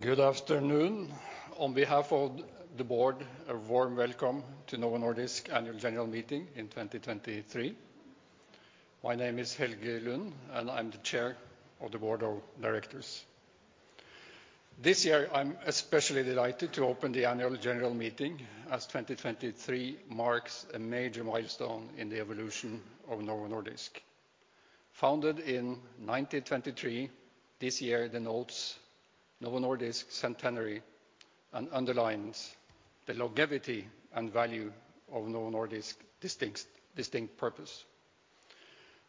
Good afternoon. On behalf of the Board, a warm welcome to Novo Nordisk Annual General Meeting in 2023. My name is Helge Lund, and I'm the Chair of the Board of Directors. This year, I'm especially delighted to open the Annual General Meeting, as 2023 marks a major milestone in the evolution of Novo Nordisk. Founded in 1923, this year denotes Novo Nordisk's centenary and underlines the longevity and value of Novo Nordisk's distinct purpose.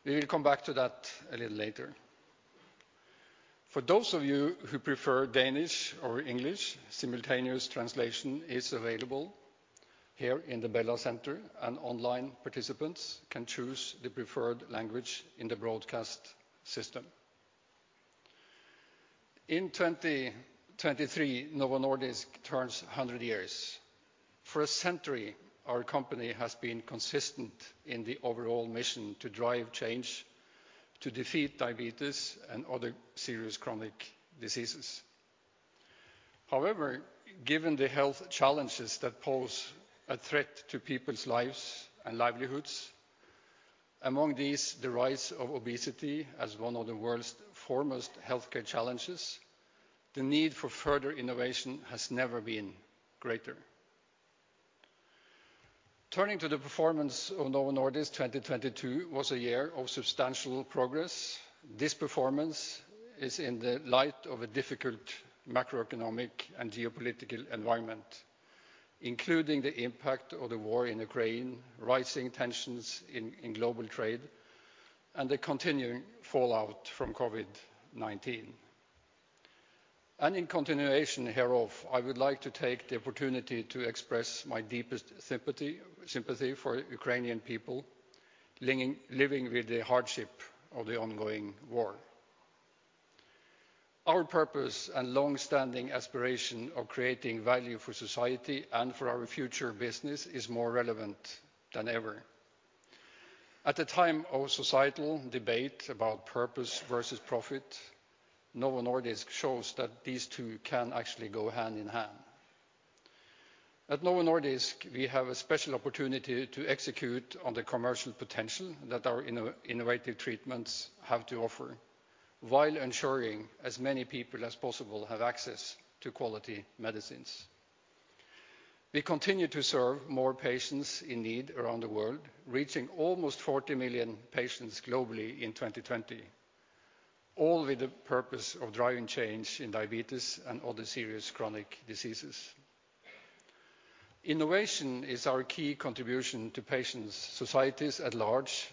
We will come back to that a little later. For those of you who prefer Danish or English, simultaneous translation is available here in the Bella Center, and online participants can choose the preferred language in the broadcast system. In 2023, Novo Nordisk turns 100 years. For a century, our company has been consistent in the overall mission to drive change, to Defeat Diabetes and other serious chronic diseases. However, given the health challenges that pose a threat to people's lives and livelihoods, among these, the rise of obesity as one of the world's foremost healthcare challenges, the need for further innovation has never been greater. Turning to the performance of Novo Nordisk, 2022 was a year of substantial progress. This performance is in the light of a difficult macroeconomic and geopolitical environment, including the impact of the war in Ukraine, rising tensions in global trade, and the continuing fallout from COVID-19. In continuation hereof, I would like to take the opportunity to express my deepest sympathy for Ukrainian people living with the hardship of the ongoing war. Our purpose and long-standing aspiration of creating value for society and for our future business is more relevant than ever. At a time of societal debate about purpose versus profit, Novo Nordisk shows that these two can actually go hand in hand. At Novo Nordisk, we have a special opportunity to execute on the commercial potential that our innovative treatments have to offer while ensuring as many people as possible have access to quality medicines. We continue to serve more patients in need around the world, reaching almost 40 million patients globally in 2020, all with the purpose of driving change in diabetes and other serious chronic diseases. Innovation is our key contribution to patients, societies at large,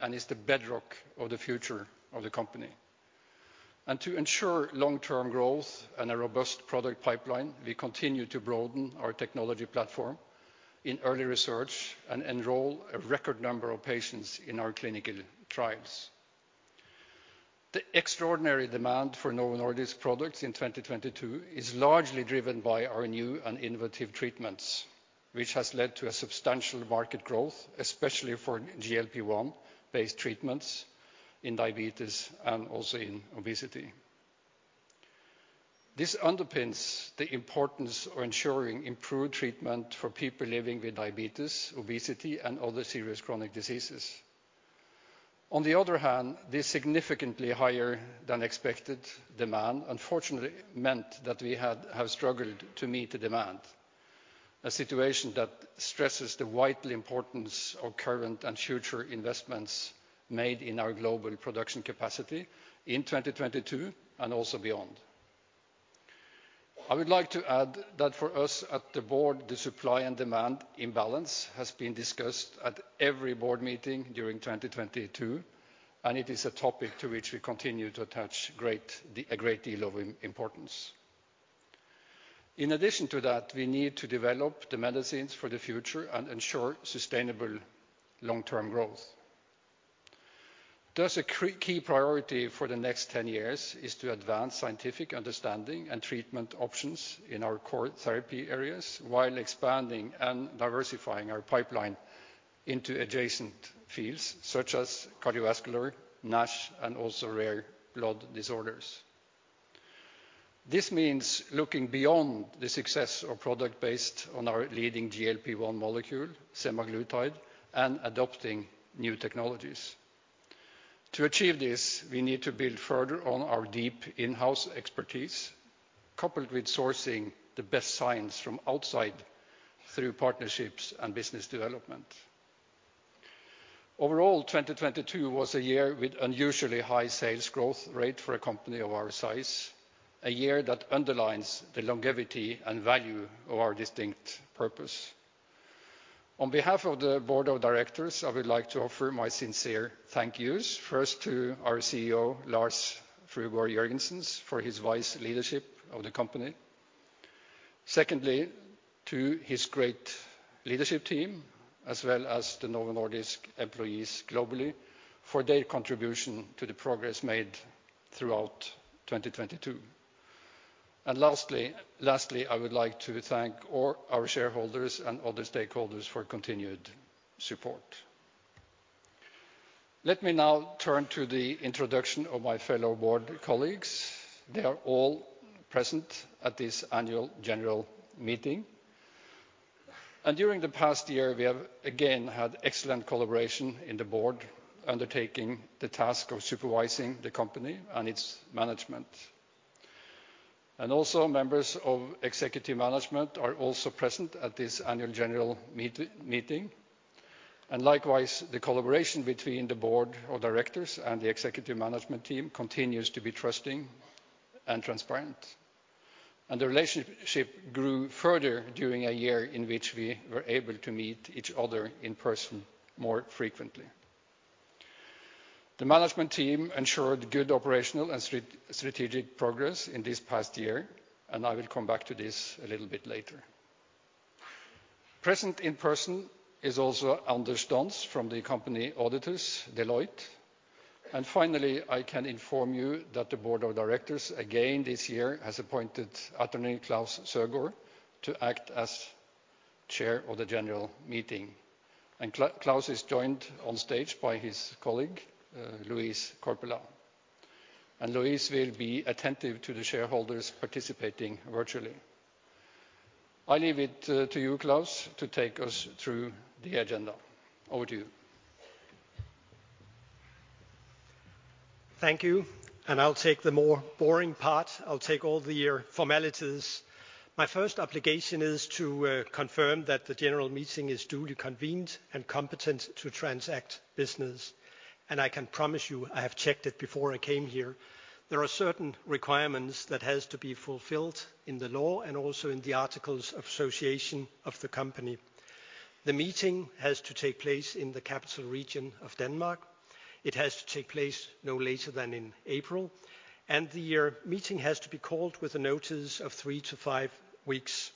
and is the bedrock of the future of the company. To ensure long-term growth and a robust product pipeline, we continue to broaden our technology platform in early research and enroll a record number of patients in our clinical trials. The extraordinary demand for Novo Nordisk products in 2022 is largely driven by our new and innovative treatments, which has led to a substantial market growth, especially for GLP-1-based treatments in diabetes and also in obesity. This underpins the importance of ensuring improved treatment for people living with diabetes, obesity, and other serious chronic diseases. On the other hand, this significantly higher than expected demand unfortunately meant that we have struggled to meet the demand, a situation that stresses the vital importance of current and future investments made in our global production capacity in 2022 and also beyond. I would like to add that for us at the board, the supply and demand imbalance has been discussed at every board meeting during 2022, and it is a topic to which we continue to attach a great deal of importance. In addition to that, we need to develop the medicines for the future and ensure sustainable long-term growth. Thus, a key priority for the next 10 years is to advance scientific understanding and treatment options in our core therapy areas while expanding and diversifying our pipeline into adjacent fields such as cardiovascular, NASH, and also rare blood disorders. This means looking beyond the success of product based on our leading GLP-1 molecule, semaglutide, and adopting new technologies. To achieve this, we need to build further on our deep in-house expertise, coupled with sourcing the best science from outside through partnerships and business development. Overall, 2022 was a year with unusually high sales growth rate for a company of our size, a year that underlines the longevity and value of our distinct purpose. On behalf of the Board of Directors, I would like to offer my sincere thank yous, first to our CEO, Lars Fruergaard Jørgensen, for his wise leadership of the company. Secondly, to his great leadership team, as well as the Novo Nordisk employees globally for their contribution to the progress made throughout 2022. Lastly, I would like to thank all our shareholders and other stakeholders for continued support. Let me now turn to the introduction of my fellow board colleagues. They are all present at this annual general meeting. During the past year, we have again had excellent collaboration in the board undertaking the task of supervising the company and its management. Also, members of executive management are also present at this annual general meeting. Likewise, the collaboration between the Board of Directors and the executive management team continues to be trusting and transparent. The relationship grew further during a year in which we were able to meet each other in person more frequently. The management team ensured good operational and strategic progress in this past year. I will come back to this a little bit later. Present in person is also Anders Dons from the company auditors, Deloitte. Finally, I can inform you that the board of directors again this year has appointed attorney Klaus Søgaard to act as chair of the general meeting. Claus is joined on stage by his colleague, Louise Korpela. Louise will be attentive to the shareholders participating virtually. I leave it to you, Claus, to take us through the agenda. Over to you. Thank you. I'll take the more boring part. I'll take all the formalities. My first obligation is to confirm that the general meeting is duly convened and competent to transact business. I can promise you, I have checked it before I came here. There are certain requirements that has to be fulfilled in the law and also in the articles of association of the company. The meeting has to take place in the Capital Region of Denmark. It has to take place no later than in April, and the meeting has to be called with a notice of 3-5 weeks.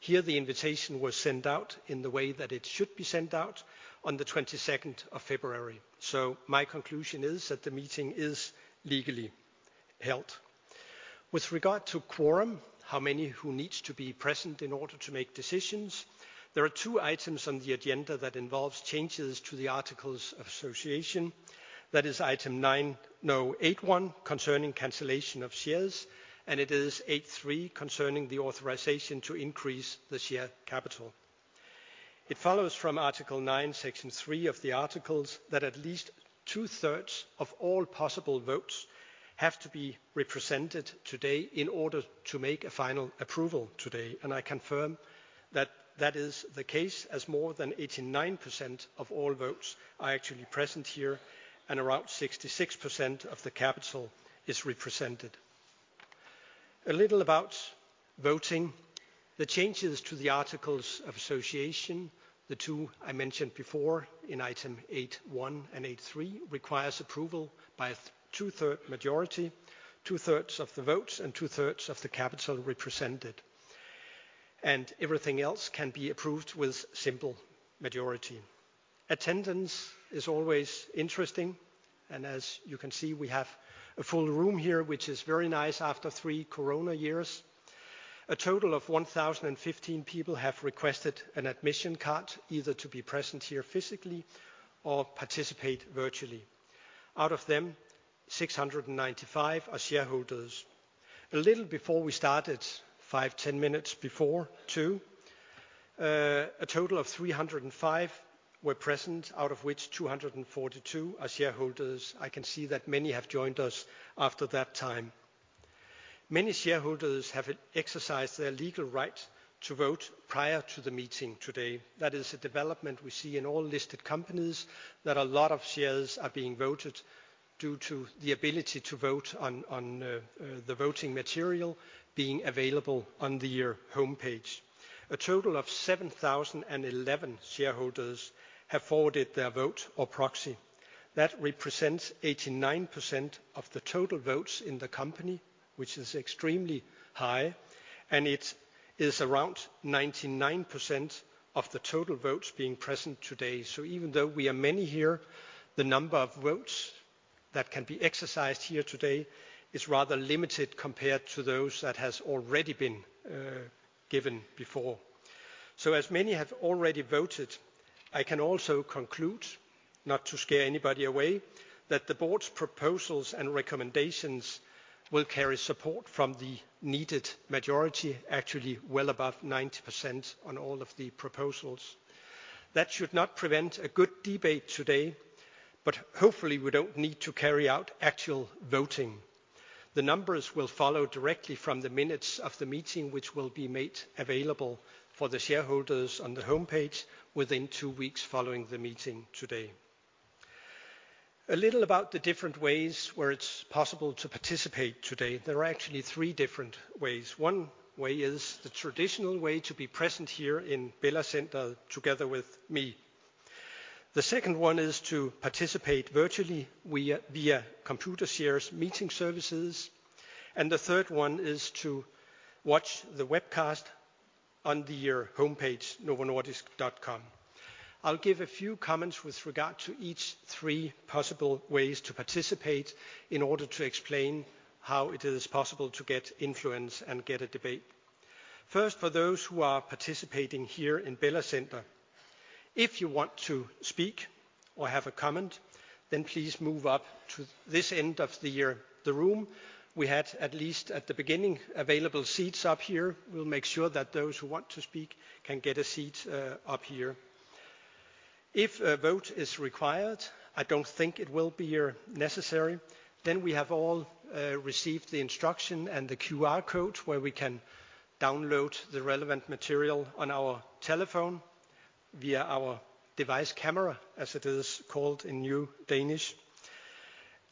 Here, the invitation was sent out in the way that it should be sent out on the 22nd of February. My conclusion is that the meeting is legally held. With regard to quorum, how many who needs to be present in order to make decisions, there are two items on the agenda that involves changes to the articles of association. That is item 9, 8.1, concerning cancellation of shares, and it is 8.3, concerning the authorization to increase the share capital. It follows from Article 9, Section 3 of the articles that at least 2/3 of all possible votes have to be represented today in order to make a final approval today. I confirm that that is the case, as more than 89% of all votes are actually present here, and around 66% of the capital is represented. A little about voting. The changes to the articles of association, the two I mentioned before in item 8.1 and 8.3, requires approval by 2/3 majority, 2/3 of the votes and 2/3 of the capital represented. Everything else can be approved with simple majority. Attendance is always interesting, and as you can see, we have a full room here, which is very nice after 3 Corona years. A total of 1,015 people have requested an admission card, either to be present here physically or participate virtually. Out of them, 695 are shareholders. A little before we started, 5, 10 minutes before 2, a total of 305 were present, out of which 242 are shareholders. I can see that many have joined us after that time. Many shareholders have exercised their legal right to vote prior to the meeting today. That is a development we see in all listed companies, that a lot of shares are being voted due to the ability to vote on the voting material being available on the homepage. A total of 7,011 shareholders have forwarded their vote or proxy. That represents 89% of the total votes in the company, which is extremely high, and it is around 99% of the total votes being present today. Even though we are many here, the number of votes that can be exercised here today is rather limited compared to those that has already been given before. As many have already voted, I can also conclude, not to scare anybody away, that the board's proposals and recommendations will carry support from the needed majority, actually well above 90% on all of the proposals. That should not prevent a good debate today, but hopefully we don't need to carry out actual voting. The numbers will follow directly from the minutes of the meeting, which will be made available for the shareholders on the homepage within two weeks following the meeting today. A little about the different ways where it's possible to participate today. There are actually three different ways. One way is the traditional way to be present here in Bella Center together with me. The second one is to participate virtually via Computershare's meeting services. The third one is to watch the webcast on the homepage, novonordisk.com. I'll give a few comments with regard to each three possible ways to participate in order to explain how it is possible to get influence and get a debate. First, for those who are participating here in Bella Center, if you want to speak or have a comment, then please move up to this end of the year, the room. We had, at least at the beginning, available seats up here. We'll make sure that those who want to speak can get a seat up here. If a vote is required, I don't think it will be necessary, then we have all received the instruction and the QR code where we can download the relevant material on our telephone via our device camera, as it is called in new Danish.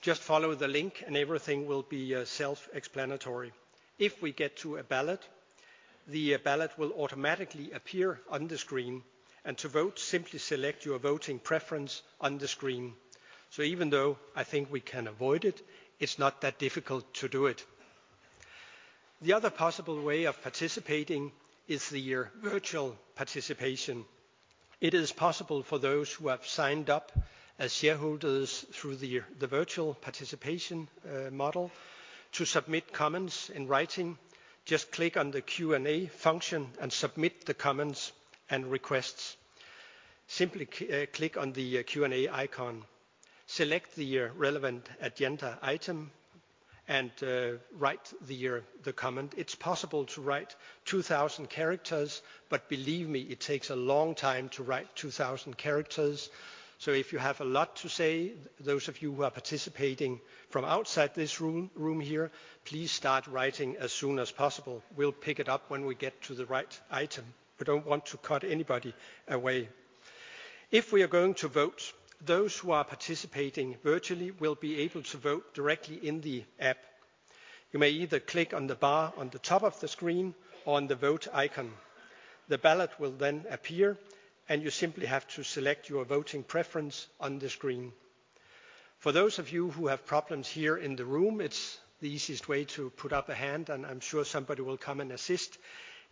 Just follow the link and everything will be self-explanatory. If we get to a ballot, the ballot will automatically appear on the screen. To vote, simply select your voting preference on the screen. Even though I think we can avoid it's not that difficult to do it. The other possible way of participating is the year virtual participation. It is possible for those who have signed up as shareholders through the virtual participation model to submit comments in writing. Just click on the Q&A function and submit the comments and requests. Simply click on the Q&A icon. Select the relevant agenda item and write the comment. It's possible to write 2,000 characters, believe me, it takes a long time to write 2,000 characters. If you have a lot to say, those of you who are participating from outside this room here, please start writing as soon as possible. We'll pick it up when we get to the right item. We don't want to cut anybody away. If we are going to vote, those who are participating virtually will be able to vote directly in the app. You may either click on the bar on the top of the screen or on the Vote icon. The ballot will then appear, and you simply have to select your voting preference on the screen. For those of you who have problems here in the room, it's the easiest way to put up a hand, and I'm sure somebody will come and assist.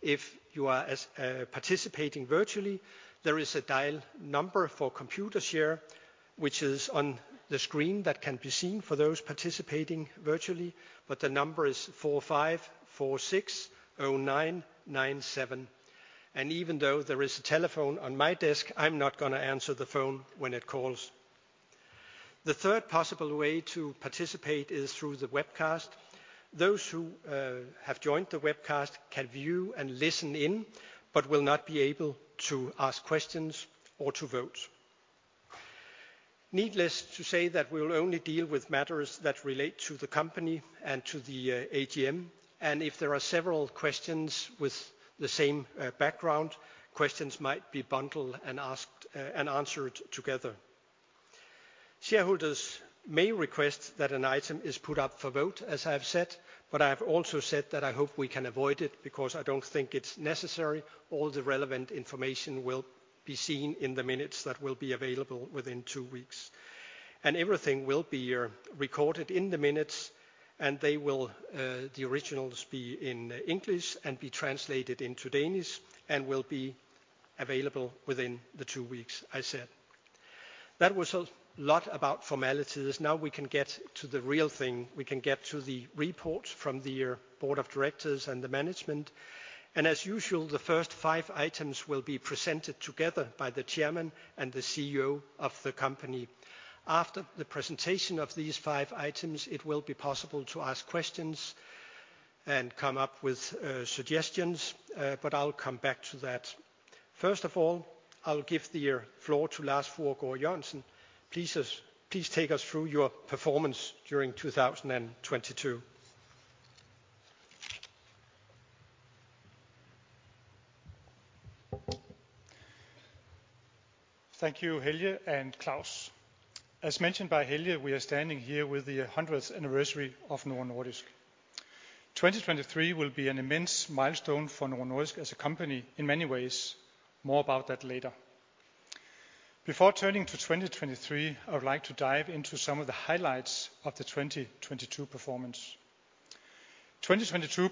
If you are participating virtually, there is a dial number for Computershare, which is on the screen that can be seen for those participating virtually. The number is 45460997. Even though there is a telephone on my desk, I'm not gonna answer the phone when it calls. The third possible way to participate is through the webcast. Those who have joined the webcast can view and listen in, but will not be able to ask questions or to vote. Needless to say that we will only deal with matters that relate to the company and to the AGM. If there are several questions with the same background, questions might be bundled and asked and answered together. Shareholders may request that an item is put up for vote, as I have said, but I have also said that I hope we can avoid it because I don't think it's necessary. All the relevant information will be seen in the minutes that will be available within two weeks. Everything will be recorded in the minutes, and they will, the originals be in English and be translated into Danish and will be available within the two weeks I said. That was a lot about formalities. Now we can get to the real thing. We can get to the report from the board of directors and the management. As usual, the first five items will be presented together by the chairman and the CEO of the company. After the presentation of these five items, it will be possible to ask questions and come up with suggestions. I'll come back to that. First of all, I'll give the floor to Lars Fruergaard Jørgensen. Please take us through your performance during 2022. Thank you, Helge and Claus. As mentioned by Helge, we are standing here with the 100th anniversary of Novo Nordisk. 2023 will be an immense milestone for Novo Nordisk as a company in many ways. More about that later. Before turning to 2023, I would like to dive into some of the highlights of the 2022 performance. 2022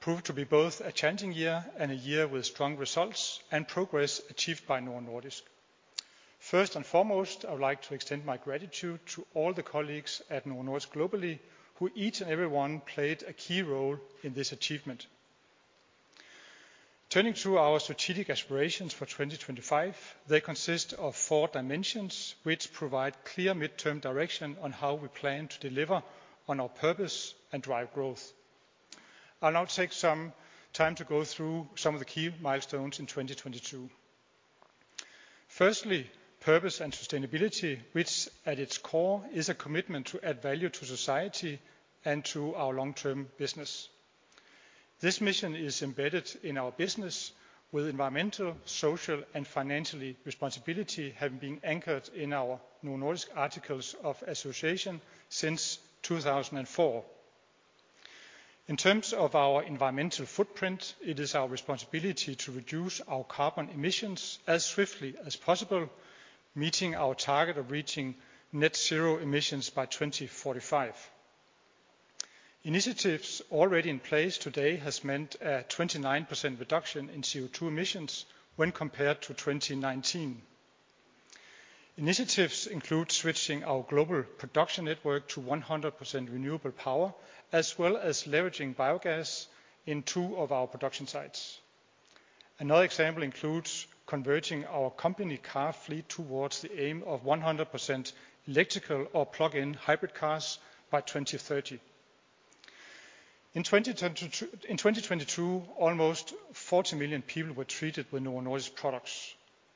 proved to be both a challenging year and a year with strong results and progress achieved by Novo Nordisk. First and foremost, I would like to extend my gratitude to all the colleagues at Novo Nordisk globally who each and every one played a key role in this achievement. Turning to our strategic aspirations for 2025, they consist of four dimensions which provide clear midterm direction on how we plan to deliver on our purpose and drive growth. I'll now take some time to go through some of the key milestones in 2022. Firstly, purpose and sustainability, which at its core is a commitment to add value to society and to our long-term business. This mission is embedded in our business with environmental, social, and financially responsibility having been anchored in our Novo Nordisk articles of association since 2004. In terms of our environmental footprint, it is our responsibility to reduce our carbon emissions as swiftly as possible, meeting our target of reaching net zero emissions by 2045. Initiatives already in place today has meant a 29% reduction in CO2 emissions when compared to 2019. Initiatives include switching our global production network to 100% renewable power, as well as leveraging biogas in two of our production sites. Another example includes converting our company car fleet towards the aim of 100% electrical or plug-in hybrid cars by 2030. In 2022, almost 40 million people were treated with Novo Nordisk products.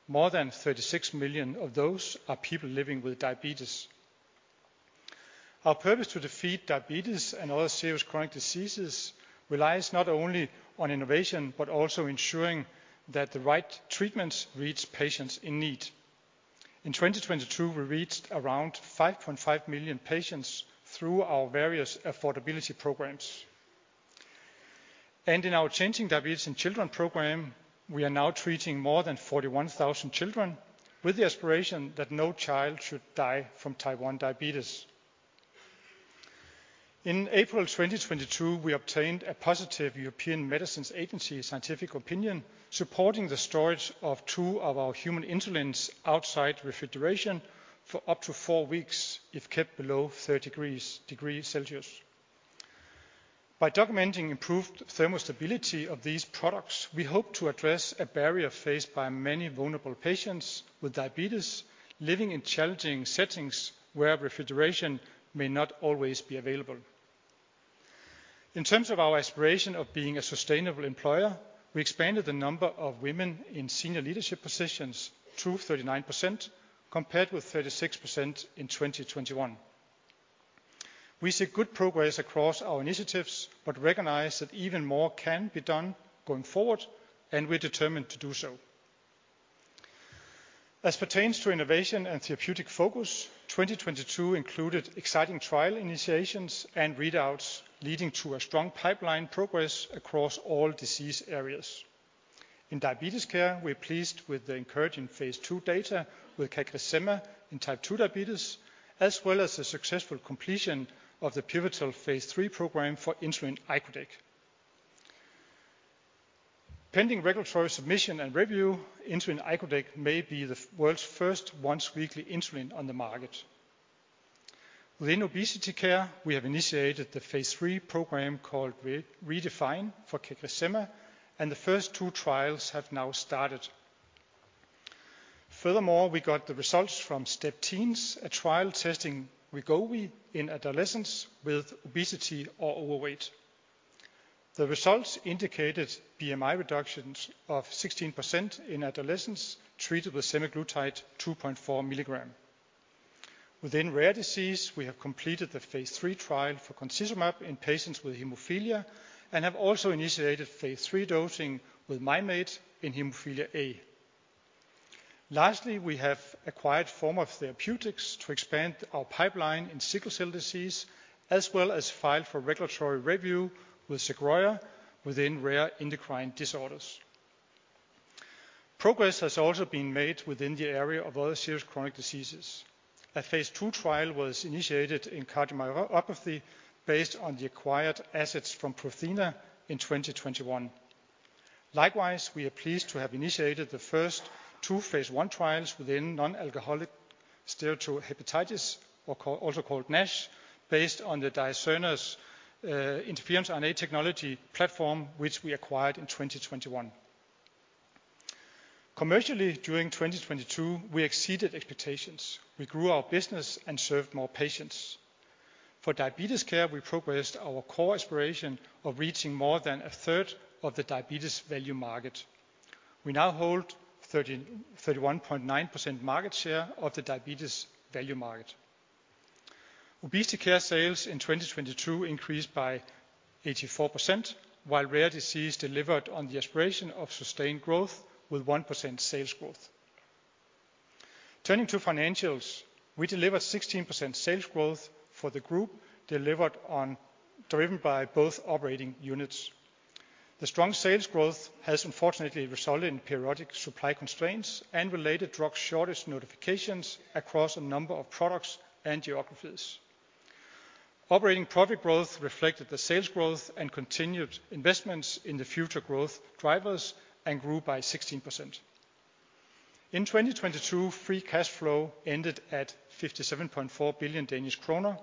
More than 36 million of those are people living with diabetes. Our purpose to Defeat Diabetes and other serious chronic diseases relies not only on innovation, but also ensuring that the right treatments reach patients in need. In 2022, we reached around 5.5 million patients through our various affordability programs. In our Changing Diabetes in Children program, we are now treating more than 41,000 children with the aspiration that no child should die from Type 1 diabetes. In April 2022, we obtained a positive European Medicines Agency scientific opinion supporting the storage of two of our human insulins outside refrigeration for up to four weeks if kept below 30 degrees Celsius. By documenting improved thermostability of these products, we hope to address a barrier faced by many vulnerable patients with diabetes living in challenging settings where refrigeration may not always be available. In terms of our aspiration of being a sustainable employer, we expanded the number of women in senior leadership positions to 39%, compared with 36% in 2021. We see good progress across our initiatives, but recognize that even more can be done going forward, and we're determined to do so. As pertains to innovation and therapeutic focus, 2022 included exciting trial initiations and readouts, leading to a strong pipeline progress across all disease areas. In diabetes care, we're pleased with the phase II data with CagriSema in type 2 diabetes, as well as the successful completion of the pivotal phase III program for insulin icodec. Pending regulatory submission and review, insulin icodec may be the world's first once-weekly insulin on the market. Within obesity care, we have initiated the phase III program called REDEFINE for CagriSema, and the first two trials have now started. Furthermore, we got the results from STEP TEENS, a trial testing Wegovy in adolescents with obesity or overweight. The results indicated BMI reductions of 16% in adolescents treated with semaglutide 2.4 mg. Within rare disease, we have completed the phase III trial for concizumab in patients with hemophilia and have also initiated phase III dosing with Mim8 in hemophilia A. Lastly, we have acquired Forma Therapeutics to expand our pipeline in sickle cell disease, as well as filed for regulatory review with Sogroya within rare endocrine disorders. Progress has also been made within the area of other serious chronic diseases. A phase III trial was initiated in cardiomyopathy based on the acquired assets from Prothena in 2021. Likewise, we are pleased to have initiated the first two phase I trials within non-alcoholic steatohepatitis, also called NASH, based on Dicerna's RNA technology platform, which we acquired in 2021. Commercially, during 2022, we exceeded expectations. We grew our business and served more patients. For diabetes care, we progressed our core aspiration of reaching more than a third of the diabetes value market. We now hold 31.9% market share of the diabetes value market. Obesity care sales in 2022 increased by 84%, while rare disease delivered on the aspiration of sustained growth with 1% sales growth. Turning to financials, we delivered 16% sales growth for the group driven by both operating units. The strong sales growth has unfortunately resulted in periodic supply constraints and related drug shortage notifications across a number of products and geographies. Operating profit growth reflected the sales growth and continued investments in the future growth drivers and grew by 16%. In 2022, free cash flow ended at 57.4 billion Danish kroner.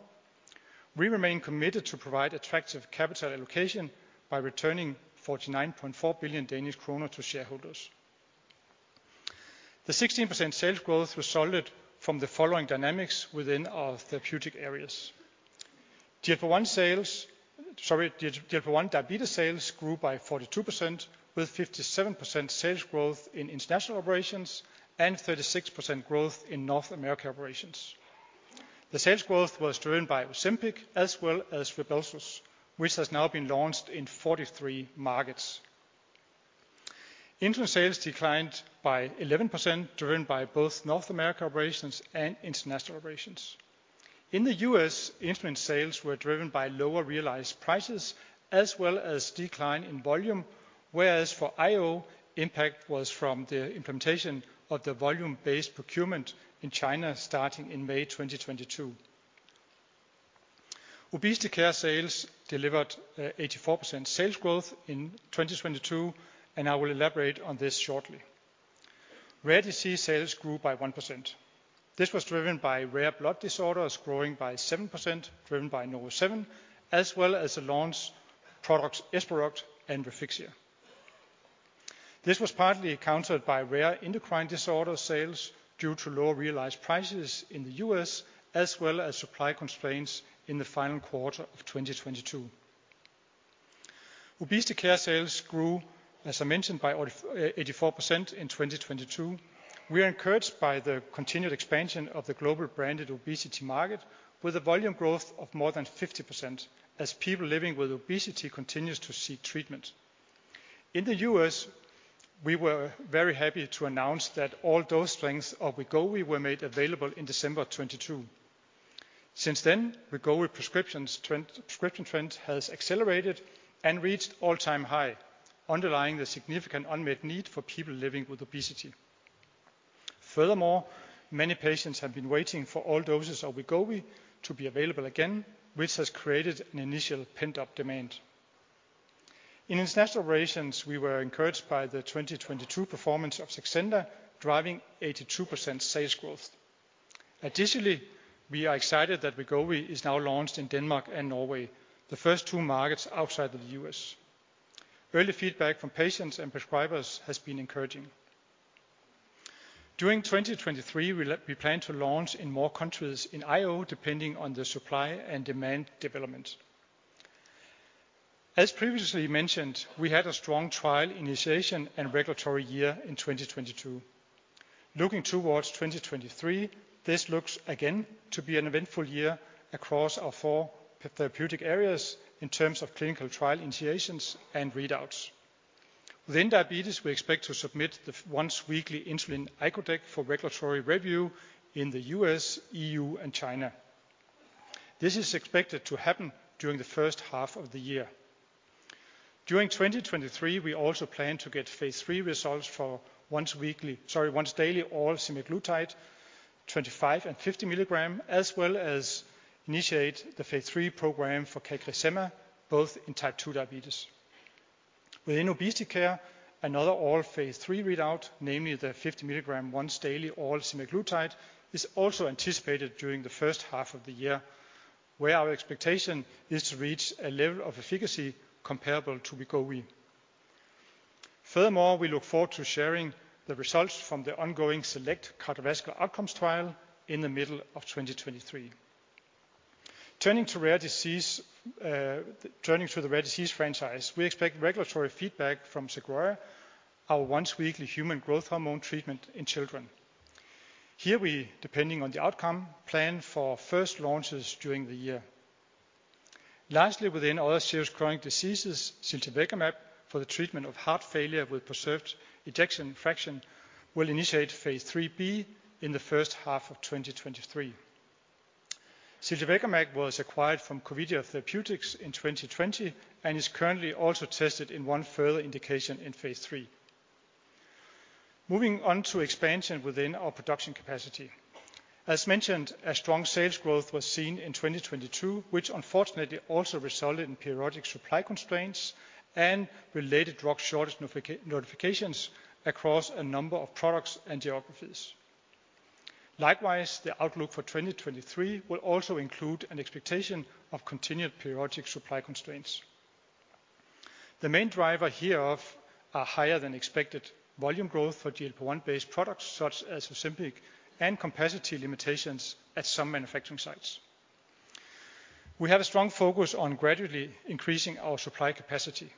We remain committed to provide attractive capital allocation by returning 49.4 billion Danish kroner to shareholders. The 16% sales growth resulted from the following dynamics within our therapeutic areas. GLP-1 sales, sorry, GLP-1 diabetes sales grew by 42%, with 57% sales growth in international operations and 36% growth in North America operations. The sales growth was driven by Ozempic as well as Rybelsus, which has now been launched in 43 markets. Insulin sales declined by 11%, driven by both North America operations and international operations. In the U.S., insulin sales were driven by lower realized prices as well as decline in volume, whereas for IO, impact was from the implementation of the volume-based procurement in China starting in May 2022. Obesity care sales delivered 84% sales growth in 2022. I will elaborate on this shortly. Rare disease sales grew by 1%. This was driven by rare blood disorders growing by 7%, driven by NovoSeven RT, as well as the launch products Esperoct and Refixia. This was partly countered by rare endocrine disorder sales due to lower realized prices in the U.S., as well as supply constraints in the final quarter of 2022. Obesity care sales grew, as I mentioned, by 84% in 2022. We are encouraged by the continued expansion of the global branded obesity market with a volume growth of more than 50% as people living with obesity continues to seek treatment. In the U.S., we were very happy to announce that all dose strengths of Wegovy were made available in December 2022. Since then, Wegovy prescription trend has accelerated and reached all-time high, underlying the significant unmet need for people living with obesity. Furthermore, many patients have been waiting for all doses of Wegovy to be available again, which has created an initial pent-up demand. In International Operations, we were encouraged by the 2022 performance of Saxenda, driving 82% sales growth. We are excited that Wegovy is now launched in Denmark and Norway, the first two markets outside of the U.S. Early feedback from patients and prescribers has been encouraging. During 2023, we plan to launch in more countries in IO, depending on the supply and demand development. As previously mentioned, we had a strong trial initiation and regulatory year in 2022. Looking towards 2023, this looks again to be an eventful year across our four therapeutic areas in terms of clinical trial initiations and readouts. Within diabetes, we expect to submit the once-weekly insulin icodec for regulatory review in the U.S., E.U., and China. This is expected to happen during the first half of the year. During 2023, we also plan to get phase III results for once-daily oral semaglutide 25 and 50 milligram, as well as initiate the phase III program for CagriSema, both in Type 2 diabetes. Within obesity care, another oral phase III readout, namely the 50 milligram once daily oral semaglutide, is also anticipated during the first half of the year, where our expectation is to reach a level of efficacy comparable to Wegovy. We look forward to sharing the results from the ongoing SELECT cardiovascular outcomes trial in the middle of 2023. Turning to the rare disease franchise, we expect regulatory feedback from Sogroya, our once-weekly human growth hormone treatment in children. Here we, depending on the outcome, plan for first launches during the year. Lastly, within other serious chronic diseases, ziltivekimab, for the treatment of heart failure with preserved ejection fraction, will initiate phase III-B in the first half of 2023. Ziltivekimab was acquired from Corvidia Therapeutics in 2020, and is currently also tested in one further indication in phase III. Moving on to expansion within our production capacity. As mentioned, a strong sales growth was seen in 2022, which unfortunately also resulted in periodic supply constraints and related drug shortage notifications across a number of products and geographies. The outlook for 2023 will also include an expectation of continued periodic supply constraints. The main driver hereof are higher than expected volume growth for GLP-1-based products such as Ozempic and capacity limitations at some manufacturing sites. We have a strong focus on gradually increasing our supply capacity.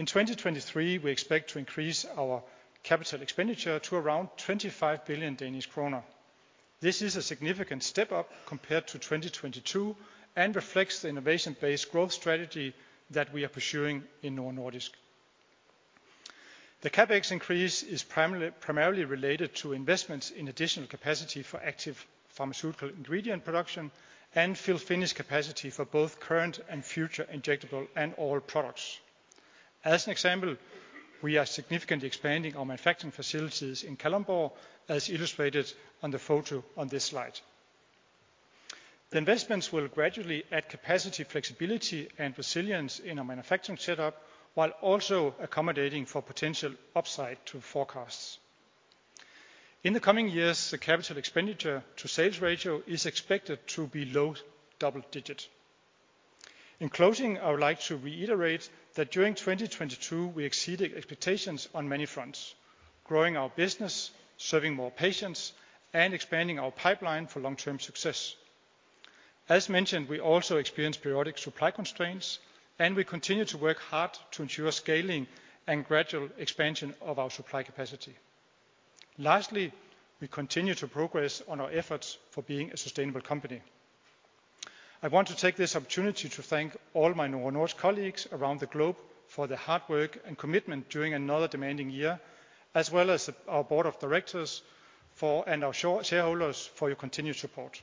In 2023, we expect to increase our capital expenditure to around 25 billion Danish kroner. This is a significant step up compared to 2022 and reflects the innovation-based growth strategy that we are pursuing in Novo Nordisk. The CapEx increase is primarily related to investments in additional capacity for active pharmaceutical ingredient production and fill finished capacity for both current and future injectable and oral products. As an example, we are significantly expanding our manufacturing facilities in Kalundborg, as illustrated on the photo on this slide. The investments will gradually add capacity, flexibility and resilience in our manufacturing setup, while also accommodating for potential upside to forecasts. In the coming years, the capital expenditure to sales ratio is expected to be low double digit. In closing, I would like to reiterate that during 2022 we exceeded expectations on many fronts, growing our business, serving more patients, and expanding our pipeline for long-term success. As mentioned, we also experienced periodic supply constraints, and we continue to work hard to ensure scaling and gradual expansion of our supply capacity. Lastly, we continue to progress on our efforts for being a sustainable company. I want to take this opportunity to thank all my Novo Nordisk colleagues around the globe for their hard work and commitment during another demanding year, as well as our board of directors and our shareholders for your continued support.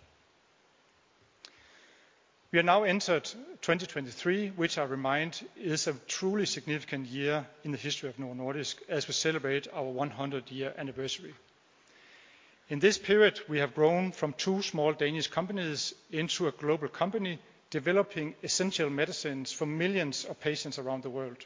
We have now entered 2023, which I remind is a truly significant year in the history of Novo Nordisk as we celebrate our 100-year anniversary. In this period, we have grown from 2 small Danish companies into a global company, developing essential medicines for millions of patients around the world.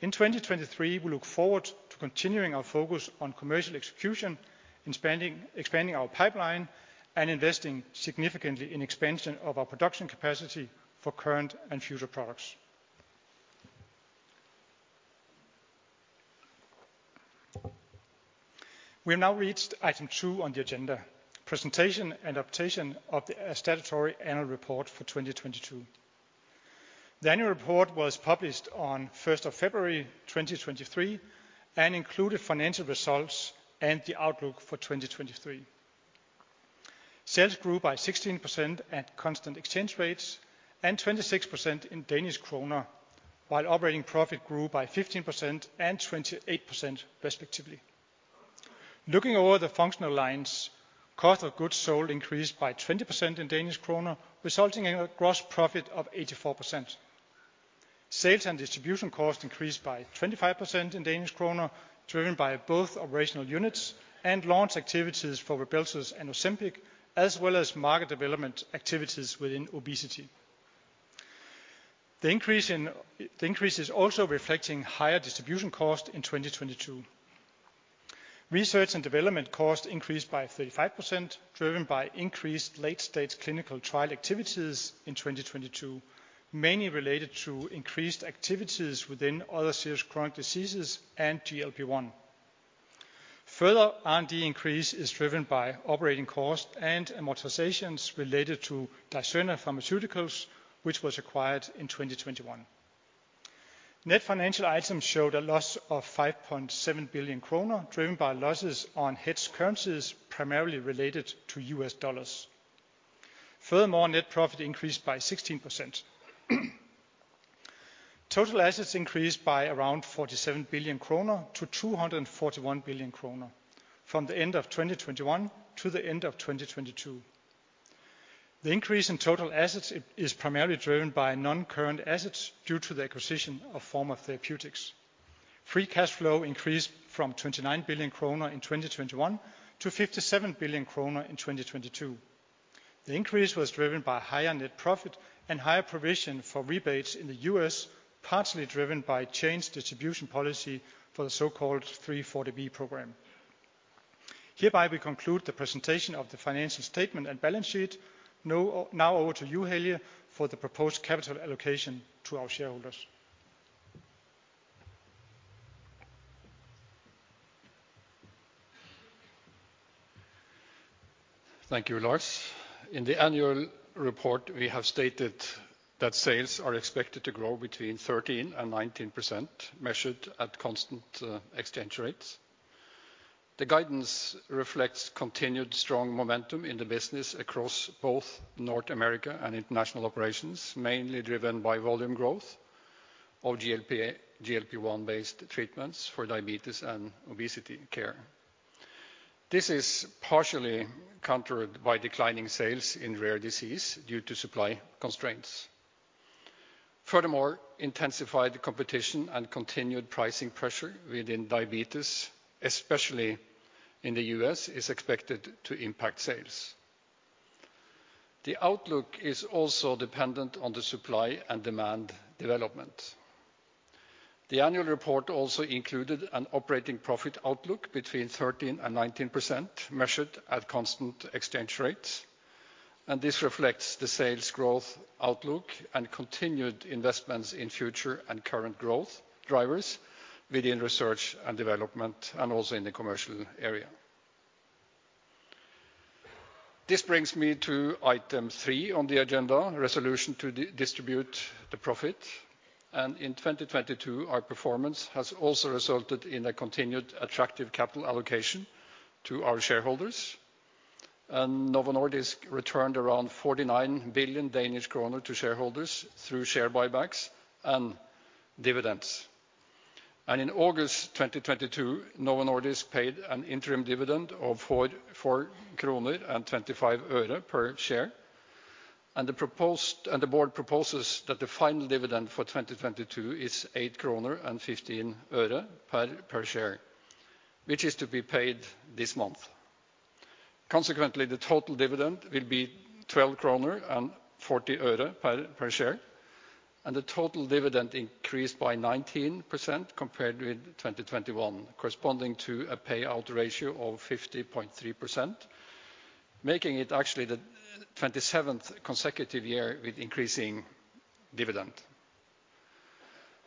In 2023, we look forward to continuing our focus on commercial execution, expanding our pipeline, and investing significantly in expansion of our production capacity for current and future products. We have now reached item 2 on the agenda: presentation and adoption of the statutory annual report for 2022. The annual report was published on February 1, 2023, and included financial results and the outlook for 2023. Sales grew by 16% at constant exchange rates, and 26% in DKK, while operating profit grew by 15% and 28% respectively. Looking over the functional lines, cost of goods sold increased by 20% in DKK, resulting in a gross profit of 84%. Sales and distribution costs increased by 25% in DKK, driven by both operational units and launch activities for Rybelsus and Ozempic, as well as market development activities within obesity. The increase is also reflecting higher distribution costs in 2022. Research and development costs increased by 35%, driven by increased late-stage clinical trial activities in 2022, mainly related to increased activities within other serious chronic diseases and GLP-1. Further R&D increase is driven by operating costs and amortizations related to Dicerna Pharmaceuticals, which was acquired in 2021. Net financial items showed a loss of 5.7 billion kroner, driven by losses on hedged currencies, primarily related to US dollars. Net profit increased by 16%. Total assets increased by around 47 billion kroner to 241 billion kroner from the end of 2021 to the end of 2022. The increase in total assets is primarily driven by non-current assets due to the acquisition of Forma Therapeutics. Free cash flow increased from 29 billion kroner in 2021 to 57 billion kroner in 2022. The increase was driven by higher net profit and higher provision for rebates in the US, partially driven by changed distribution policy for the so-called 340B program. Hereby, we conclude the presentation of the financial statement and balance sheet. now over to you, Helge, for the proposed capital allocation to our shareholders. Thank you, Lars. In the annual report, we have stated that sales are expected to grow between 13% and 19%, measured at constant exchange rates. The guidance reflects continued strong momentum in the business across both North America and international operations, mainly driven by volume growth of GLP-1-based treatments for diabetes and obesity care. This is partially countered by declining sales in rare disease due to supply constraints. Furthermore, intensified competition and continued pricing pressure within diabetes, especially in the U.S., is expected to impact sales. The outlook is also dependent on the supply and demand development. The annual report also included an operating profit outlook between 13% and 19%, measured at constant exchange rates. This reflects the sales growth outlook and continued investments in future and current growth drivers within research and development, and also in the commercial area. This brings me to item 3 on the agenda: resolution to distribute the profit. In 2022, our performance has also resulted in a continued attractive capital allocation to our shareholders. Novo Nordisk returned around 49 billion Danish kroner to shareholders through share buybacks and dividends. In August 2022, Novo Nordisk paid an interim dividend of DKK 4.25 per share. The board proposes that the final dividend for 2022 is DKK 8.15 per share, which is to be paid this month. Consequently, the total dividend will be DKK 12.40 per share. The total dividend increased by 19% compared with 2021, corresponding to a payout ratio of 50.3%, making it actually the 27th consecutive year with increasing dividend.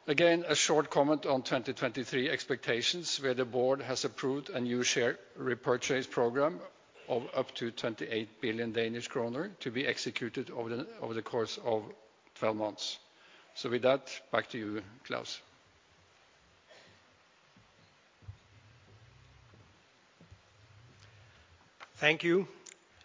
Again, a short comment on 2023 expectations, where the board has approved a new share repurchase program of up to 28 billion Danish kroner to be executed over the course of 12 months. With that, back to you, Claus. Thank you.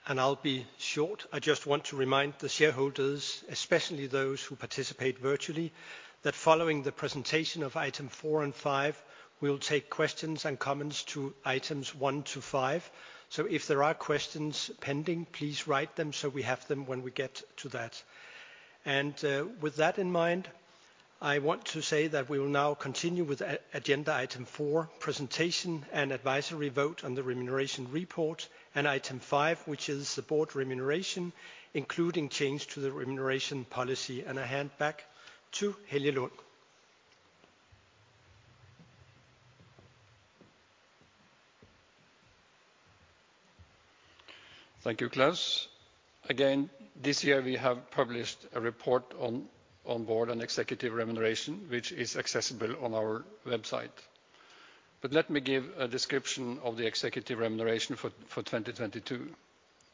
I'll be short. I just want to remind the shareholders, especially those who participate virtually, that following the presentation of item 4 and 5, we will take questions and comments to items 1 to 5. If there are questions pending, please write them so we have them when we get to that. With that in mind. I want to say that we will now continue with agenda item 4, presentation and advisory vote on the remuneration report. Item 5, which is the board remuneration, including change to the remuneration policy. I hand back to Helge Lund. Thank you, Claus. Again, this year we have published a report on board and executive remuneration, which is accessible on our website. Let me give a description of the executive remuneration for 2022.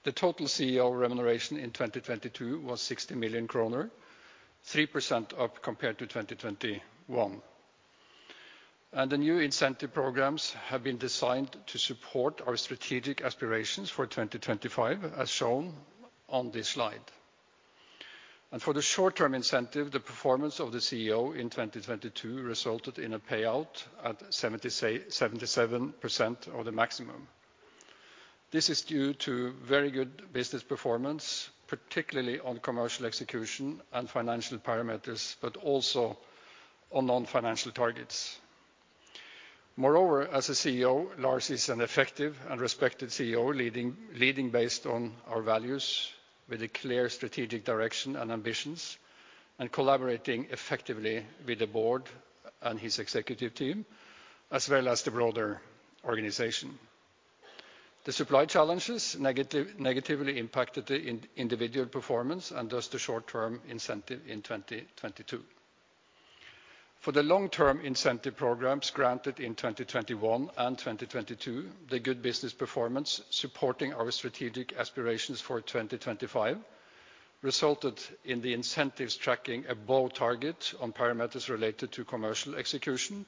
The total CEO remuneration in 2022 was 60 million kroner, 3% up compared to 2021. The new incentive programs have been designed to support our strategic aspirations for 2025, as shown on this slide. For the short-term incentive, the performance of the CEO in 2022 resulted in a payout at 77% of the maximum. This is due to very good business performance, particularly on commercial execution and financial parameters, but also on non-financial targets. Moreover, as a CEO, Lars is an effective and respected CEO leading based on our values with a clear strategic direction and ambitions, and collaborating effectively with the board and his executive team, as well as the broader organization. The supply challenges negatively impacted the individual performance, and thus the short-term incentive in 2022. For the long-term incentive programs granted in 2021 and 2022, the good business performance supporting our strategic aspirations for 2025 resulted in the incentives tracking above target on parameters related to commercial execution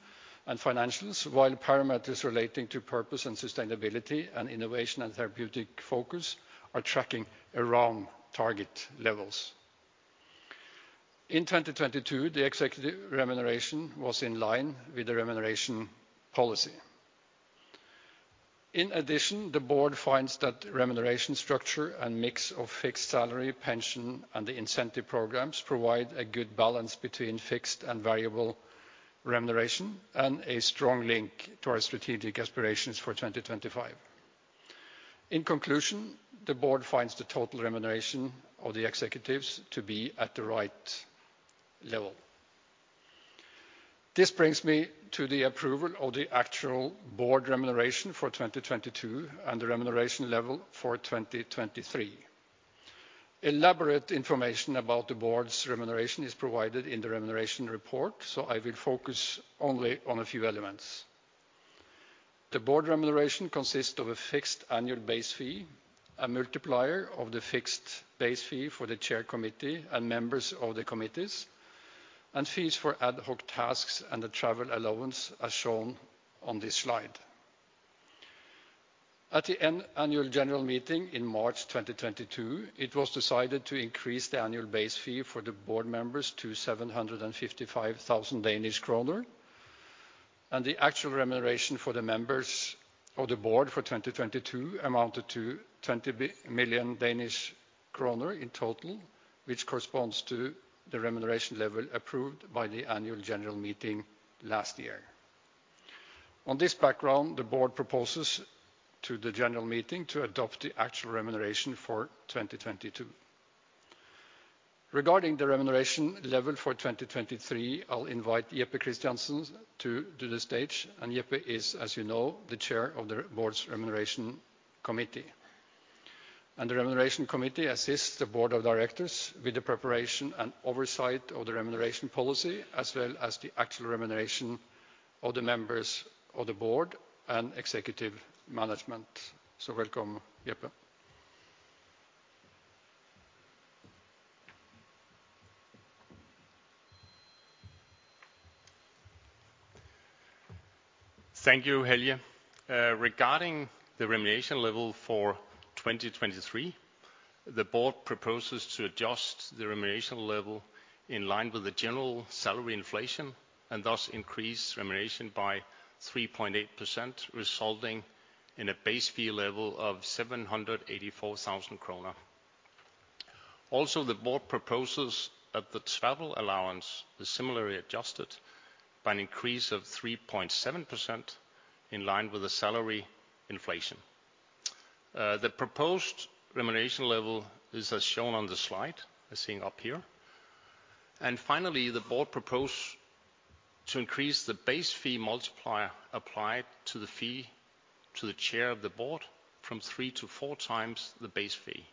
and financials. While parameters relating to purpose and sustainability, and innovation and therapeutic focus are tracking around target levels. In 2022, the executive remuneration was in line with the remuneration policy. In addition, the board finds that remuneration structure and mix of fixed salary, pension, and the incentive programs provide a good balance between fixed and variable remuneration, and a strong link to our strategic aspirations for 2025. In conclusion, the board finds the total remuneration of the executives to be at the right level. This brings me to the approval of the actual board remuneration for 2022, and the remuneration level for 2023. Elaborate information about the board's remuneration is provided in the Remuneration Report, so I will focus only on a few elements. The board remuneration consists of a fixed annual base fee, a multiplier of the fixed base fee for the chair committee and members of the committees, and fees for ad hoc tasks and the travel allowance, as shown on this slide. At the annual general meeting in March 2022, it was decided to increase the annual base fee for the board members to 755,000 Danish kroner. The actual remuneration for the members of the board for 2022 amounted to 20 million Danish kroner in total, which corresponds to the remuneration level approved by the annual general meeting last year. On this background, the board proposes to the general meeting to adopt the actual remuneration for 2022. Regarding the remuneration level for 2023, I'll invite Jeppe Christiansen to the stage. Jeppe is, as you know, the Chair of the Board's Remuneration Committee. The Remuneration Committee assists the board of directors with the preparation and oversight of the remuneration policy, as well as the actual remuneration of the members of the board and executive management. Welcome, Jeppe. Thank you, Helge. Regarding the remuneration level for 2023, the board proposes to adjust the remuneration level in line with the general salary inflation, and thus increase remuneration by 3.8%, resulting in a base fee level of 784,000 kroner. Also, the board proposes that the travel allowance is similarly adjusted by an increase of 3.7% in line with the salary inflation. The proposed remuneration level is as shown on the slide, as seen up here. Finally, the board propose to increase the base fee multiplier applied to the fee to the chair of the board from 3 to 4 times the base fee.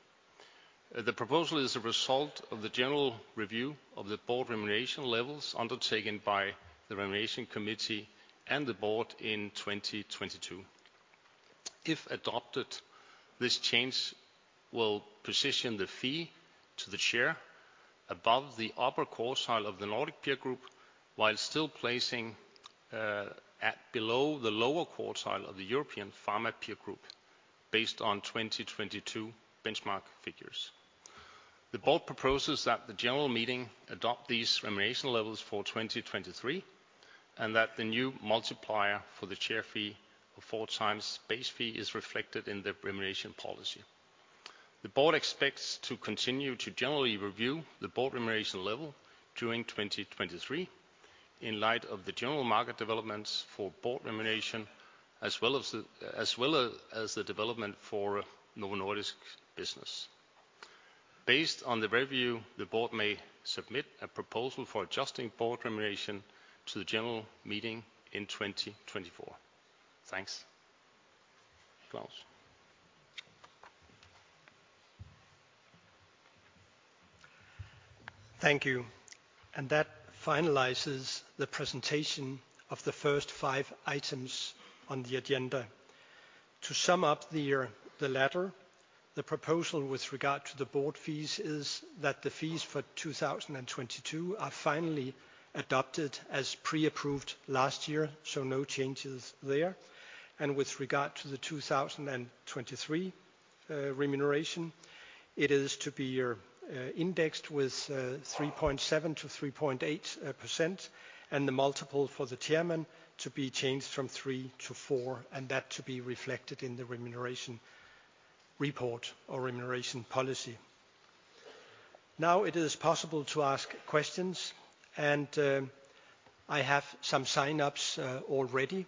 The proposal is a result of the general review of the board remuneration levels undertaken by the Remuneration Committee and the board in 2022. If adopted, this change will position the fee to the chair above the upper quartile of the Nordic peer group, while still placing, at below the lower quartile of the European Pharma peer group, based on 2022 benchmark figures. The board proposes that the general meeting adopt these remuneration levels for 2023, and that the new multiplier for the chair fee of 4 times base fee is reflected in the remuneration policy. The board expects to continue to generally review the board remuneration level during 2023, in light of the general market developments for board remuneration, as well as the development for Novo Nordisk business. Based on the review, the board may submit a proposal for adjusting board remuneration to the general meeting in 2024. Thanks. Claus. Thank you. That finalizes the presentation of the first five items on the agenda. To sum up the latter, the proposal with regard to the board fees is that the fees for 2022 are finally adopted as pre-approved last year, so no changes there. With regard to the 2023 remuneration, it is to be indexed with 3.7%-3.8%, and the multiple for the chairman to be changed from three to four, and that to be reflected in the remuneration report or remuneration policy. Now it is possible to ask questions, and I have some sign-ups already.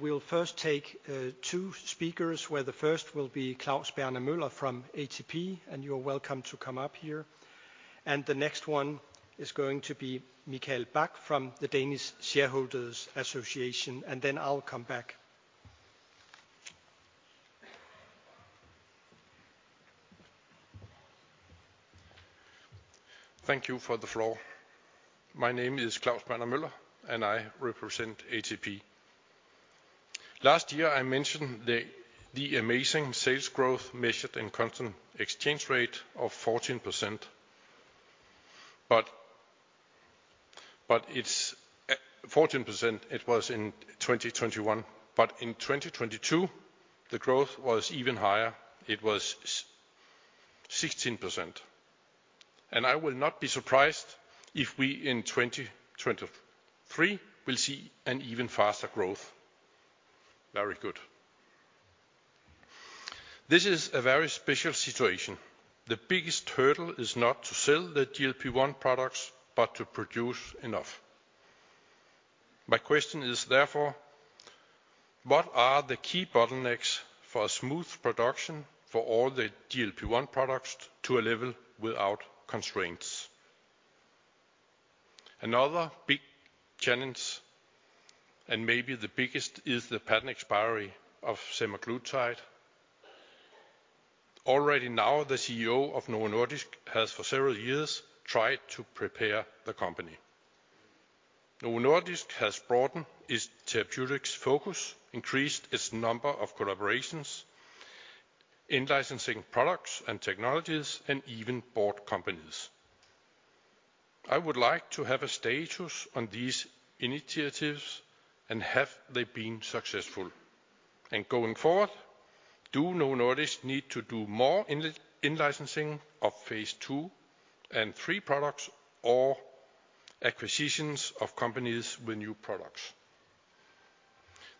We'll first take two speakers, where the first will be Claus Berner Møller from ATP, and you're welcome to come up here. The next one is going to be Mikael Bak from the Danish Shareholders Association, and then I'll come back. Thank you for the floor. My name is Claus Berner Møller, and I represent ATP. Last year I mentioned the amazing sales growth measured in constant exchange rate of 14%. It's 14% it was in 2021, but in 2022, the growth was even higher. It was 16%. I will not be surprised if we, in 2023, will see an even faster growth. Very good. This is a very special situation. The biggest hurdle is not to sell the GLP-1 products, but to produce enough. My question is therefore: What are the key bottlenecks for a smooth production for all the GLP-1 products to a level without constraints? Another big challenge, and maybe the biggest, is the patent expiry of semaglutide. Already now, the CEO of Novo Nordisk has for several years tried to prepare the company. Novo Nordisk has broadened its therapeutics focus, increased its number of collaborations, in-licensing products and technologies, and even bought companies. I would like to have a status on these initiatives. Have they been successful? Going forward, do Novo Nordisk need to do more in-licensing of phase II and phase III products, or acquisitions of companies with new products?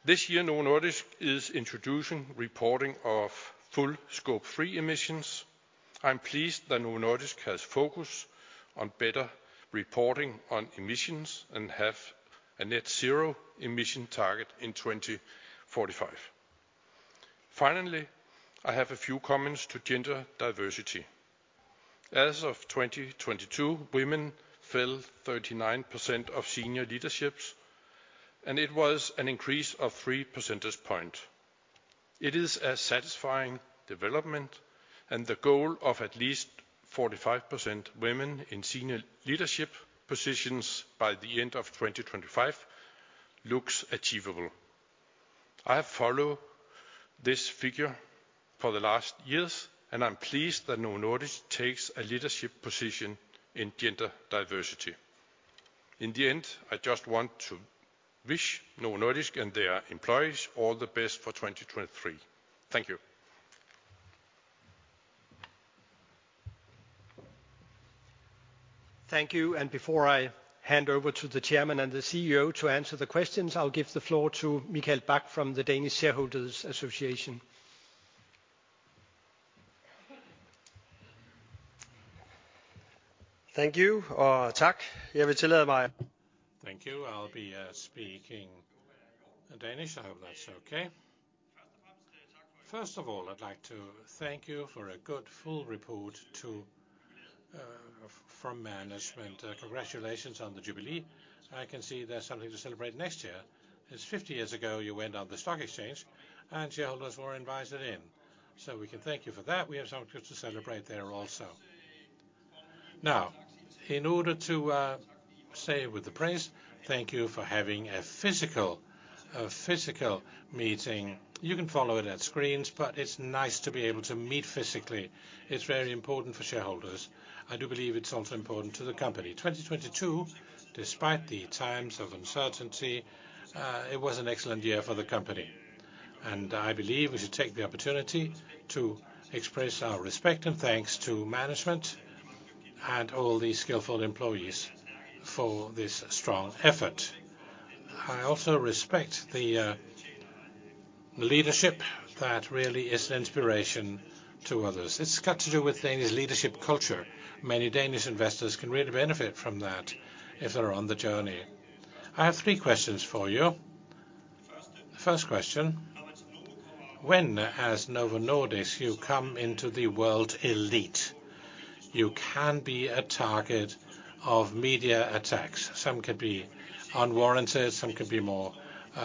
This year, Novo Nordisk is introducing reporting of full Scope 3 emissions. I'm pleased that Novo Nordisk has focused on better reporting on emissions and have a net zero emission target in 2045. Finally, I have a few comments to gender diversity. As of 2022, women fill 39% of senior leaderships, and it was an increase of 3 percentage point. It is a satisfying development, and the goal of at least 45% women in senior leadership positions by the end of 2025 looks achievable. I have followed this figure for the last years, and I'm pleased that Novo Nordisk takes a leadership position in gender diversity. In the end, I just want to wish Novo Nordisk and their employees all the best for 2023. Thank you. Thank you. Before I hand over to the chairman and the CEO to answer the questions, I'll give the floor to Mikael Bak from the Danish Shareholders Association. Thank you, tack. Thank you. I'll be speaking in Danish. I hope that's okay. First of all, I'd like to thank you for a good full report from management. Congratulations on the jubilee. I can see there's something to celebrate next year, as 50 years ago you went on the stock exchange and shareholders were invited in. We can thank you for that. We have something to celebrate there also. In order to stay with the praise, thank you for having a physical meeting. You can follow it at screens, it's nice to be able to meet physically. It's very important for shareholders. I do believe it's also important to the company. 2022, despite the times of uncertainty, it was an excellent year for the company. I believe we should take the opportunity to express our respect and thanks to management and all the skillful employees for this strong effort. I also respect the leadership that really is inspiration to others. It's got to do with Danish leadership culture. Many Danish investors can really benefit from that if they're on the journey. I have three questions for you. First question, when has Novo Nordisk, you come into the world elite? You can be a target of media attacks. Some could be unwarranted, some could be more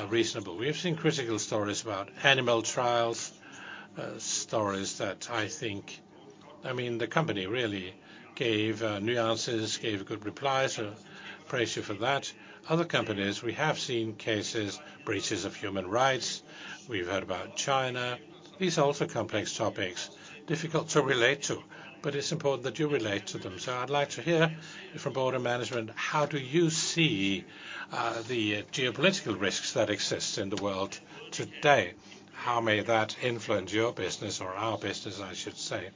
reasonable. We've seen critical stories about animal trials, stories that I mean, the company really gave nuances, gave good replies. Praise you for that. Other companies, we have seen cases, breaches of human rights. We've heard about China. These are also complex topics, difficult to relate to. It's important that you relate to them. I'd like to hear from board and management, how do you see the geopolitical risks that exist in the world today? How may that influence your business or our business, I should say?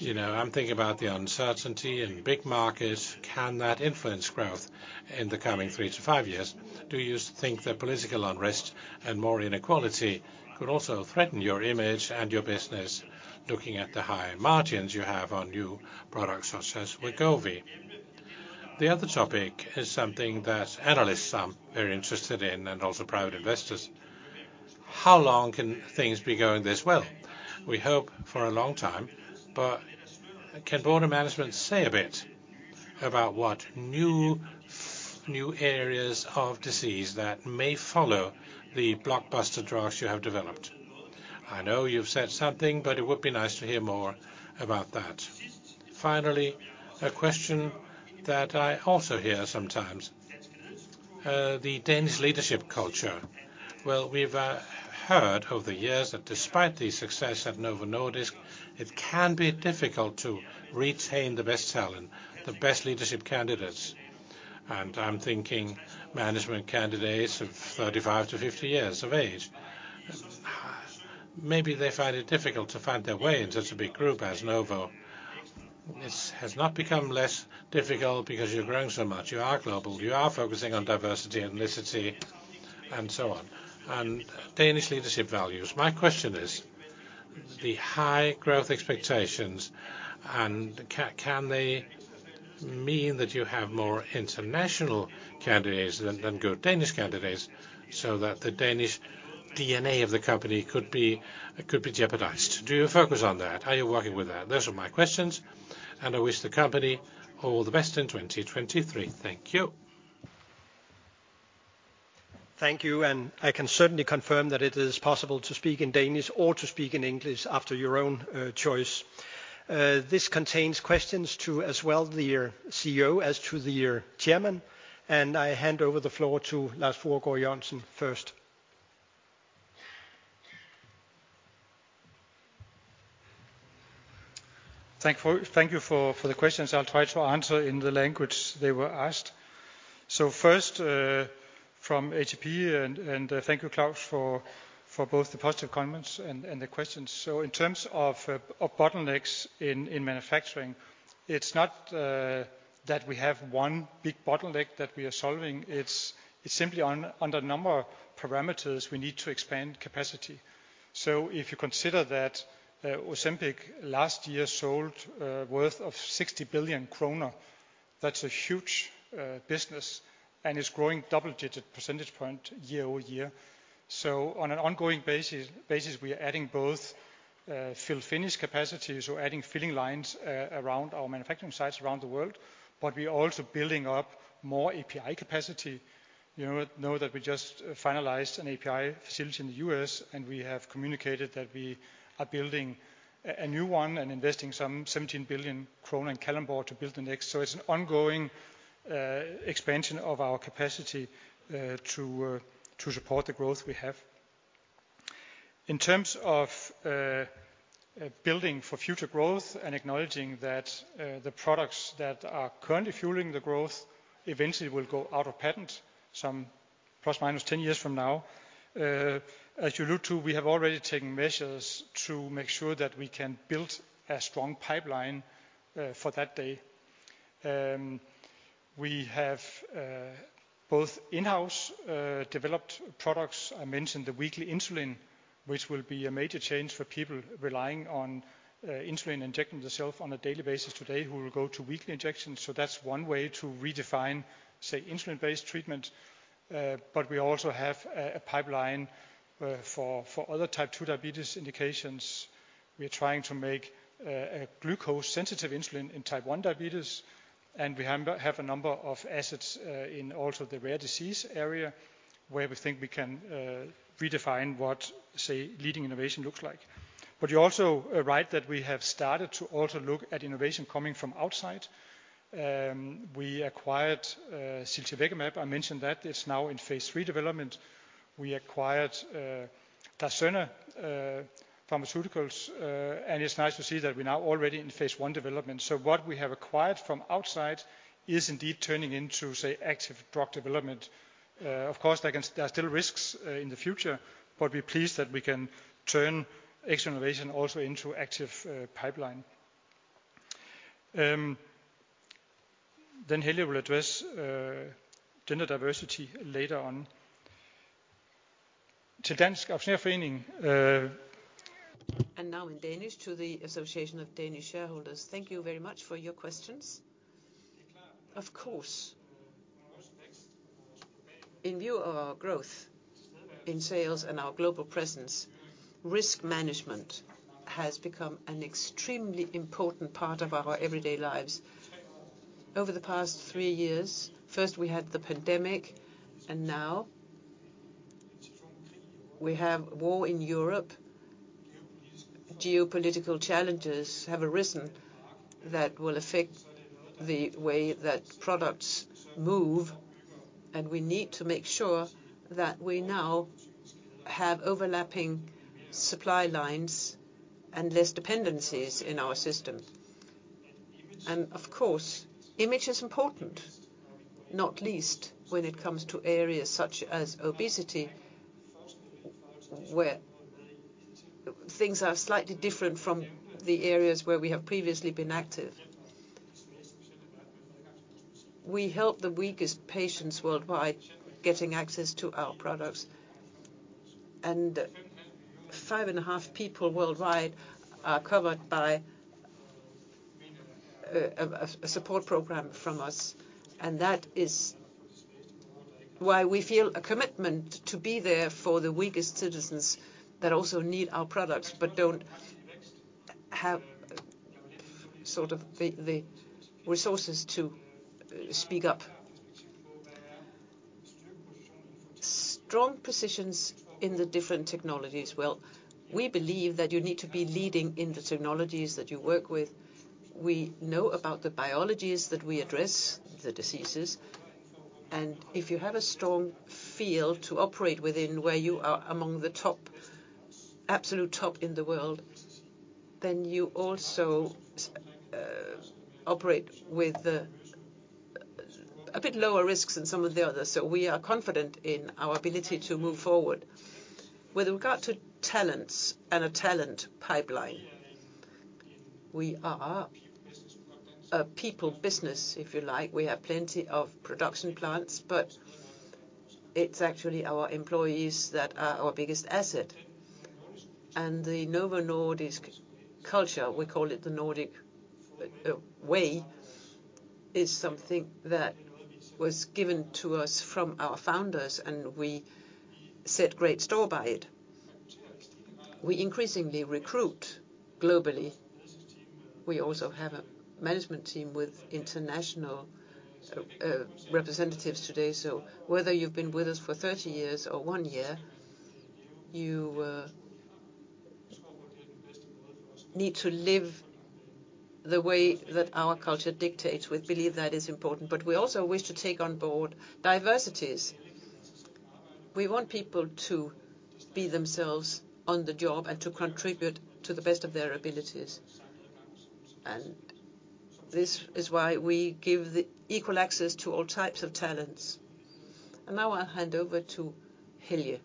You know, I'm thinking about the uncertainty in big markets. Can that influence growth in the coming 3 to 5 years? Do you think that political unrest and more inequality could also threaten your image and your business looking at the high margins you have on new products such as Wegovy? The other topic is something that analysts are very interested in and also private investors. How long can things be going this well? We hope for a long time. Can board and management say a bit about what new areas of disease that may follow the blockbuster drugs you have developed? I know you've said something, it would be nice to hear more about that. Finally, a question that I also hear sometimes. The Danish leadership culture. Well, we've heard over the years that despite the success at Novo Nordisk, it can be difficult to retain the best talent, the best leadership candidates. I'm thinking management candidates of 35 to 50 years of age. Maybe they find it difficult to find their way in such a big group as Novo. This has not become less difficult because you're growing so much. You are global. You are focusing on diversity, ethnicity, and so on, and Danish leadership values. My question is, the high growth expectations and can they mean that you have more international candidates than good Danish candidates so that the Danish DNA of the company could be jeopardized? Do you focus on that? How are you working with that? Those are my questions. I wish the company all the best in 2023. Thank you. Thank you. I can certainly confirm that it is possible to speak in Danish or to speak in English after your own choice. This contains questions to as well the CEO as to the chairman. I hand over the floor to Lars Fruergaard Jørgensen first. Thank you for the questions. I'll try to answer in the language they were asked. First, from ATP and thank you, Claus, for both the positive comments and the questions. In terms of bottlenecks in manufacturing, it's not that we have one big bottleneck that we are solving. It's simply under a number of parameters we need to expand capacity. If you consider that Ozempic last year sold worth of 60 billion kroner, that's a huge business and is growing double-digit percentage point year-over-year. On an ongoing basis, we are adding both fill finish capacities or adding filling lines around our manufacturing sites around the world. We're also building up more API capacity. You know that we just finalized an API facility in the U.S. We have communicated that we are building a new one and investing some 17 billion kroner in Kalundborg to build the next. It's an ongoing expansion of our capacity to support the growth we have. In terms of building for future growth and acknowledging that the products that are currently fueling the growth eventually will go out of patent some ±10 years from now. As you look to, we have already taken measures to make sure that we can build a strong pipeline for that day. We have both in-house developed products. I mentioned the weekly insulin, which will be a major change for people relying on insulin, injecting themselves on a daily basis today who will go to weekly injections. That's one way to redefine, say, insulin-based treatment. We also have a pipeline for other Type 2 diabetes indications. We are trying to make a glucose-sensitive insulin in Type 1 diabetes, we have a number of assets in also the rare disease area where we think we can redefine what, say, leading innovation looks like. You're also right that we have started to also look at innovation coming from outside. We acquired ziltivekimab. I mentioned that. It's now in phase III development. We acquired Dicerna Pharmaceuticals. It's nice to see that we're now already in phase I development. What we have acquired from outside is indeed turning into active drug development. Of course there are still risks in the future, but we're pleased that we can turn external innovation also into active pipeline. Helge will address gender diversity later on. To Dansk Aktionærforening. Now in Danish to the Danish Shareholders Association, thank you very much for your questions. Of course, in view of our growth in sales and our global presence, risk management has become an extremely important part of our everyday lives. Over the past 3 years, first we had the pandemic, and now we have war in Europe. Geopolitical challenges have arisen that will affect the way that products move, and we need to make sure that we now have overlapping supply lines and less dependencies in our system. Of course, image is important, not least when it comes to areas such as obesity, where things are slightly different from the areas where we have previously been active. We help the weakest patients worldwide getting access to our products. Five and a half people worldwide are covered by a support program from us. That is why we feel a commitment to be there for the weakest citizens that also need our products but don't have sort of the resources to speak up. Strong positions in the different technologies. We believe that you need to be leading in the technologies that you work with. We know about the biologies that we address, the diseases. If you have a strong field to operate within where you are among the top, absolute top in the world, then you also operate with a bit lower risks than some of the others. We are confident in our ability to move forward. With regard to talents and a talent pipeline, we are a people business, if you like. We have plenty of production plants, but it's actually our employees that are our biggest asset. The Novo Nordisk culture, we call it the Nordic Way, is something that was given to us from our founders, and we set great store by it. We increasingly recruit globally. We also have a management team with international representatives today. Whether you've been with us for 30 years or 1 year, you need to live the way that our culture dictates. We believe that is important. We also wish to take on board diversities. We want people to be themselves on the job and to contribute to the best of their abilities. This is why we give the equal access to all types of talents. Now I'll hand over to Helge.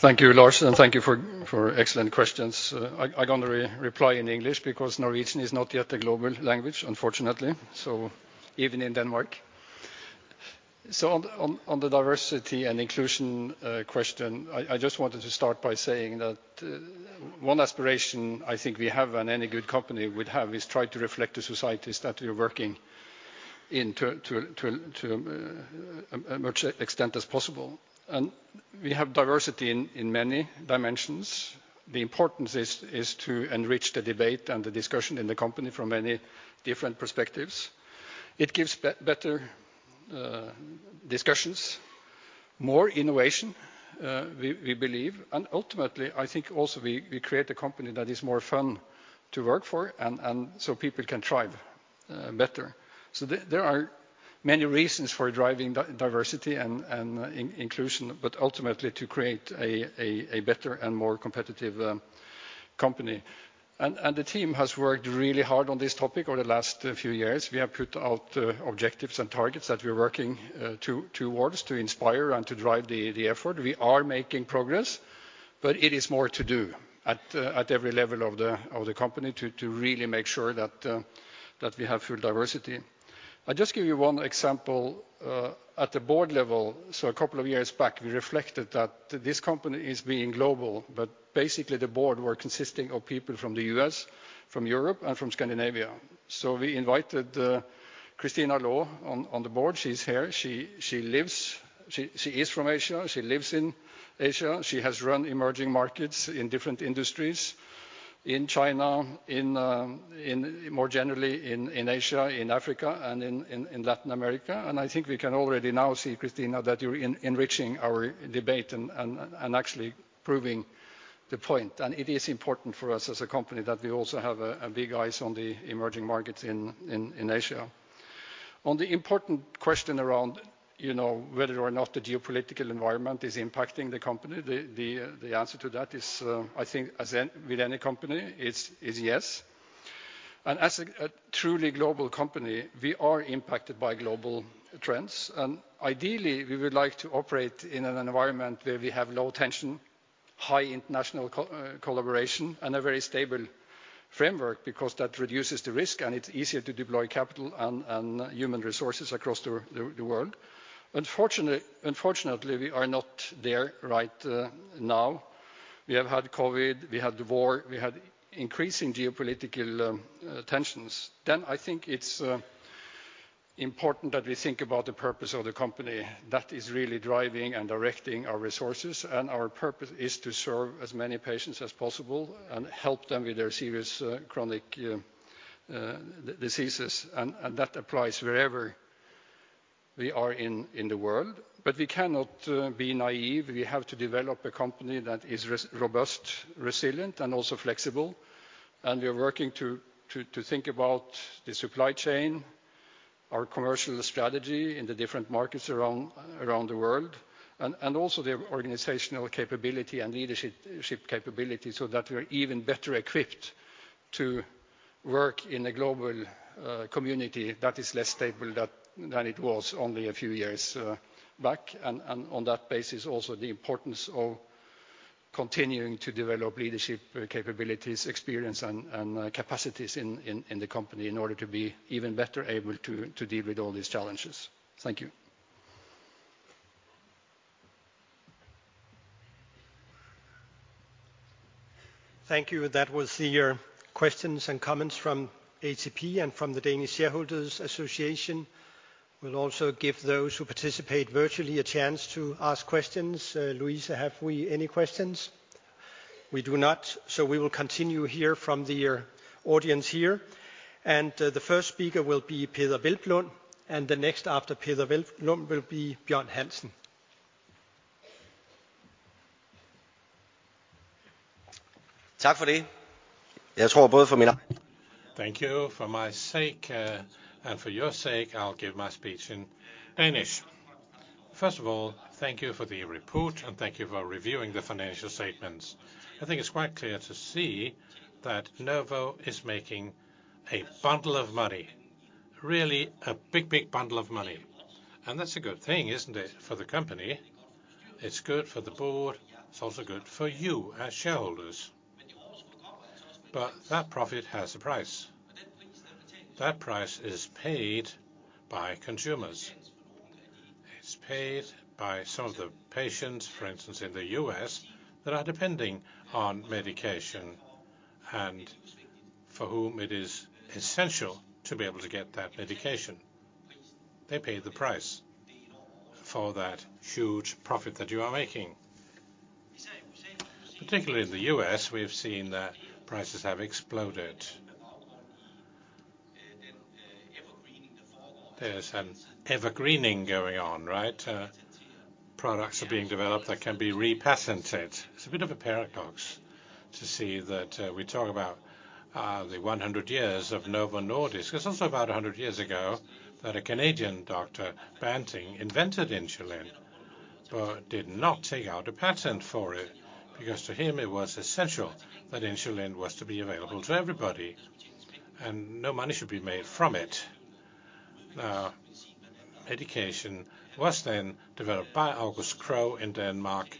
Thank you, Lars, and thank you for excellent questions. I'm gonna re-reply in English because Norwegian is not yet a global language, unfortunately, so even in Denmark. On the diversity and inclusion question, I just wanted to start by saying that one aspiration I think we have and any good company would have is try to reflect the societies that we're working in to a much extent as possible. We have diversity in many dimensions. The importance is to enrich the debate and the discussion in the company from many different perspectives. It gives better discussions, more innovation, we believe, and ultimately, I think also we create a company that is more fun to work for and so people can thrive better. There are many reasons for driving diversity and inclusion, but ultimately to create a better and more competitive company. The team has worked really hard on this topic over the last few years. We have put out objectives and targets that we're working towards to inspire and to drive the effort. We are making progress, but it is more to do at every level of the company to really make sure that we have full diversity. I'll just give you one example. At the board level, 2 years back, we reflected that this company is being global, but basically the board were consisting of people from the US, from Europe, and from Scandinavia. We invited Christina Law on the board. She's here. She is from Asia. She lives in Asia. She has run emerging markets in different industries in China, in more generally in Asia, in Africa, and in Latin America. I think we can already now see, Christina, that you're enriching our debate and actually proving the point. It is important for us as a company that we also have big eyes on the emerging markets in Asia. On the important question around, you know, whether or not the geopolitical environment is impacting the company, the answer to that is I think with any company yesAnd as a truly global company, we are impacted by global trends. Ideally, we would like to operate in an environment where we have low tension, high international collaboration and a very stable framework, because that reduces the risk and it's easier to deploy capital and human resources across the world. Unfortunately, we are not there right now. We have had COVID, we had the war, we had increasing geopolitical tensions. I think it's important that we think about the purpose of the company. That is really driving and directing our resources, and our purpose is to serve as many patients as possible and help them with their serious chronic diseases. That applies wherever we are in the world. We cannot be naive. We have to develop a company that is robust, resilient, and also flexible. We are working to think about the supply chain, our commercial strategy in the different markets around the world and also the organizational capability and leadership capability so that we're even better equipped to work in a global community that is less stable than it was only a few years back. On that basis, also the importance of continuing to develop leadership capabilities, experience and capacities in the company in order to be even better able to deal with all these challenges. Thank you. Thank you. That was the questions and comments from ATP and from the Danish Shareholders Association. We will also give those who participate virtually a chance to ask questions. Louise, have we any questions? We do not. We will continue here from the audience here. The first speaker will be Peder Hvelplund, and the next after Peder Hvelplund will be Bjørn Hansen. Thank you. For my sake, and for your sake, I'll give my speech in Danish. First of all, thank you for the report, and thank you for reviewing the financial statements. I think it's quite clear to see that Novo is making a bundle of money, really a big, big bundle of money. That's a good thing, isn't it, for the company? It's good for the board. It's also good for you as shareholders. That profit has a price. That price is paid by consumers. It's paid by some of the patients, for instance, in the U.S., that are depending on medication and for whom it is essential to be able to get that medication. They pay the price for that huge profit that you are making. Particularly in the U.S., we have seen that prices have exploded. There's an evergreening going on, right? Products are being developed that can be repatented. It's a bit of a paradox to see that we talk about the 100 years of Novo Nordisk. It's also about 100 years ago that a Canadian doctor, Banting, invented insulin but did not take out a patent for it, because to him it was essential that insulin was to be available to everybody and no money should be made from it. Medication was then developed by August Krogh in Denmark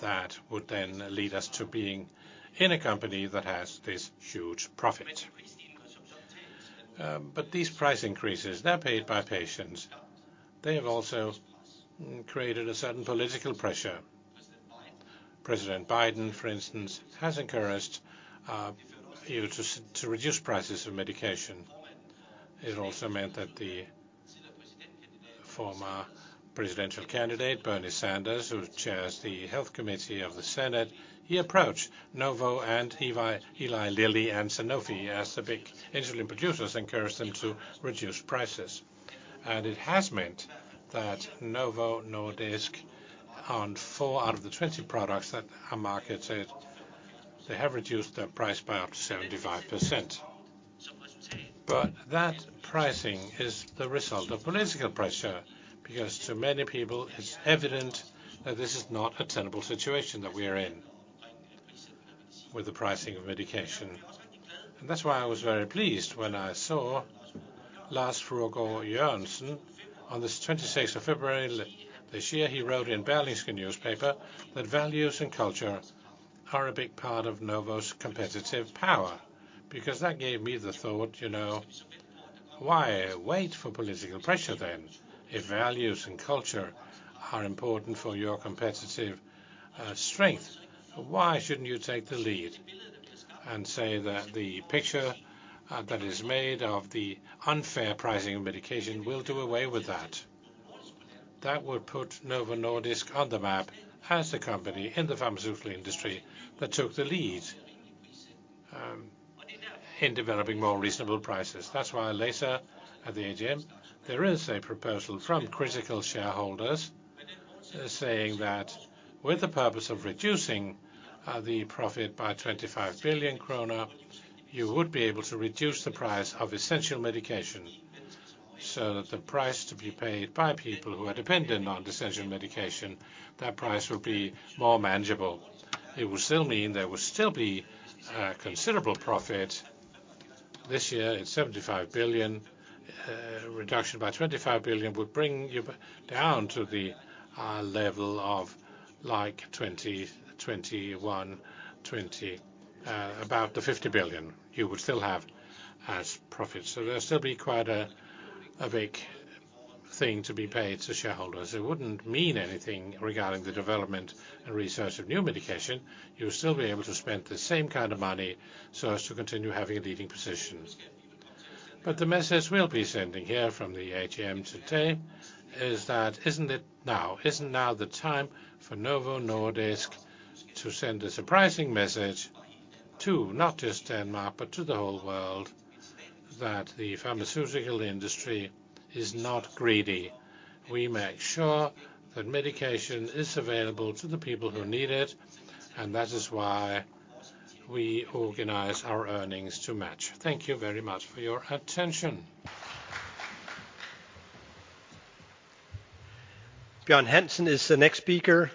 that would then lead us to being in a company that has this huge profit. These price increases, they're paid by patients. They have also created a certain political pressure. President Biden, for instance, has encouraged you to reduce prices of medication. It also meant that the former presidential candidate, Bernie Sanders, who chairs the Health Committee of the Senate, he approached Novo and Eli Lilly and Sanofi as the big insulin producers, encouraged them to reduce prices. It has meant that Novo Nordisk, on 4 out of the 20 products that are marketed, they have reduced their price by up to 75%. That pricing is the result of political pressure because to many people it's evident that this is not a tenable situation that we are in with the pricing of medication. That's why I was very pleased when I saw Lars Fruergaard Jørgensen on the 26th of February this year, he wrote in Berlingske Newspaper that values and culture are a big part of Novo's competitive power. That gave me the thought, you know, why wait for political pressure then if values and culture are important for your competitive strength? Why shouldn't you take the lead and say that the picture that is made of the unfair pricing of medication, we'll do away with that. That would put Novo Nordisk on the map as the company in the pharmaceutical industry that took the lead in developing more reasonable prices. That's why later at the AGM, there is a proposal from critical shareholders, saying that with the purpose of reducing the profit by 25 billion kroner, you would be able to reduce the price of essential medication. That the price to be paid by people who are dependent on essential medication, that price would be more manageable. It would still mean there would still be considerable profit. This year it's 75 billion. Reduction by 25 billion would bring you down to the level of about 50 billion you would still have as profit. There'd still be quite a big thing to be paid to shareholders. It wouldn't mean anything regarding the development and research of new medication. You'll still be able to spend the same kind of money so as to continue having a leading position. The message we'll be sending here from the AGM today is that isn't now the time for Novo Nordisk to send a surprising message to not just Denmark, but to the whole world, that the pharmaceutical industry is not greedy. We make sure that medication is available to the people who need it, and that is why we organize our earnings to match. Thank you very much for your attention. Bjørn Hansen is the next speaker,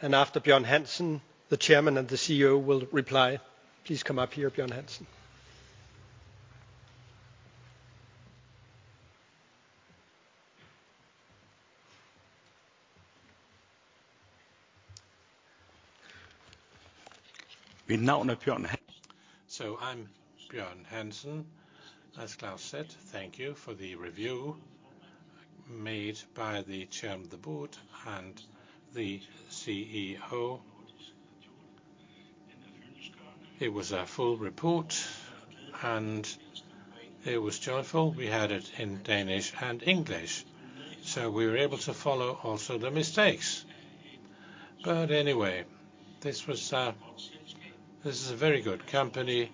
and after Bjørn Hansen, the chairman and the CEO will reply. Please come up here, Bjørn Hansen. I'm Bjørn Hansen. As Claus Søgaard said, thank you for the review made by the Chair of the Board and the CEO. It was a full report, and it was joyful. We had it in Danish and English. We were able to follow also the mistakes. This is a very good company,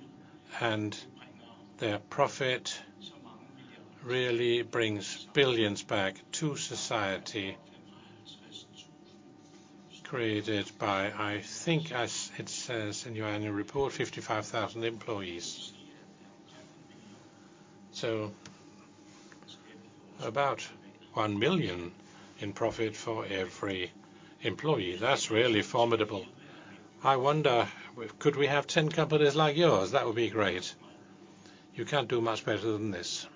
and their profit really brings billions back to society. Created by, I think, as it says in your annual report, 55,000 employees. About 1 million in profit for every employee. That's really formidable. I wonder, could we have 10 companies like yours? That would be great. You can't do much better than this.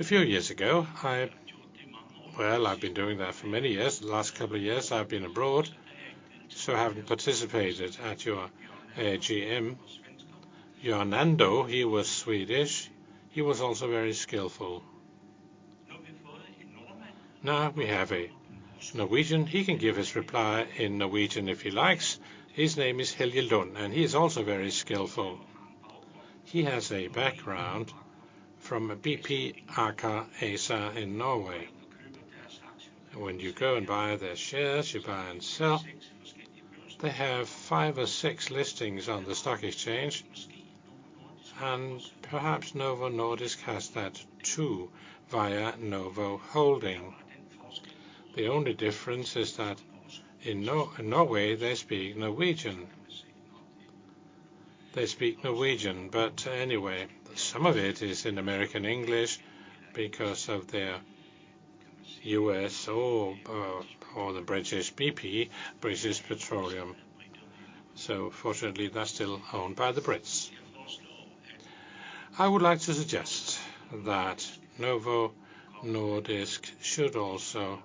A few years ago, Well, I've been doing that for many years. The last couple of years I've been abroad, I haven't participated at your AGM. Göran Ando, he was Swedish. He was also very skillful. Now we have a Norwegian. He can give his reply in Norwegian if he likes. His name is Helge Lund. He's also very skillful. He has a background from BP, Aker ASA in Norway. When you go and buy their shares, you buy and sell. They have 5 or 6 listings on the stock exchange. Perhaps Novo Nordisk has that too via Novo Holdings. The only difference is that in Norway, they speak Norwegian. They speak Norwegian. Anyway, some of it is in American English because of their U.S. or the British BP, British Petroleum. Fortunately, they're still owned by the Brits. I would like to suggest that Novo Nordisk should also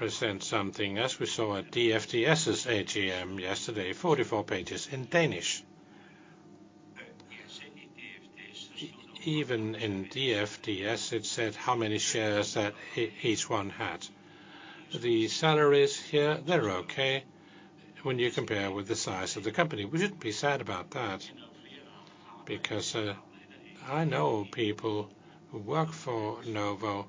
present something as we saw at DFDS's AGM yesterday, 44 pages in Danish. Even in DFDS, it said how many shares that each one had. The salaries here, they're okay when you compare with the size of the company. We shouldn't be sad about that because I know people who work for Novo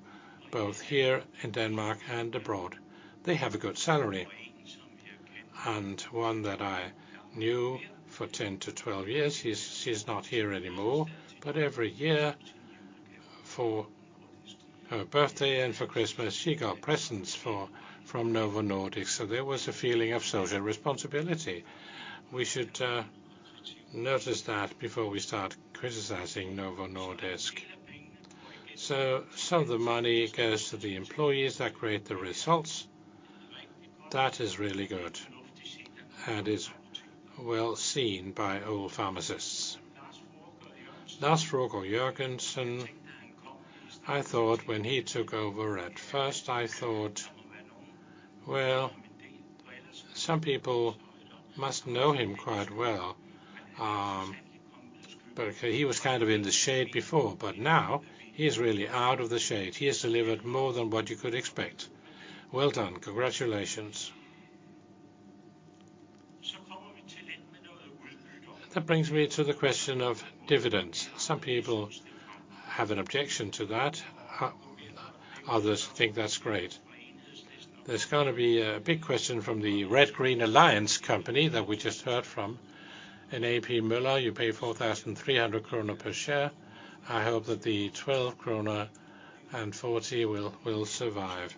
Nordisk, both here in Denmark and abroad. They have a good salary. One that I knew for 10-12 years, she's not here anymore, but every year for her birthday and for Christmas, she got presents from Novo Nordisk. There was a feeling of social responsibility. We should notice that before we start criticizing Novo Nordisk. Some of the money goes to the employees that create the results. That is really good, and is well seen by all pharmacists. Lars Fruergaard Jørgensen, I thought when he took over, at first I thought, "Well, some people must know him quite well." But he was kind of in the shade before, but now he's really out of the shade. He has delivered more than what you could expect. Well done. Congratulations. That brings me to the question of dividends. Some people have an objection to that, others think that's great. There's gonna be a big question from the Red-Green Alliance company that we just heard from. In A.P. Møller, you pay 4,300 kroner per share. I hope that the 12.40 kroner will survive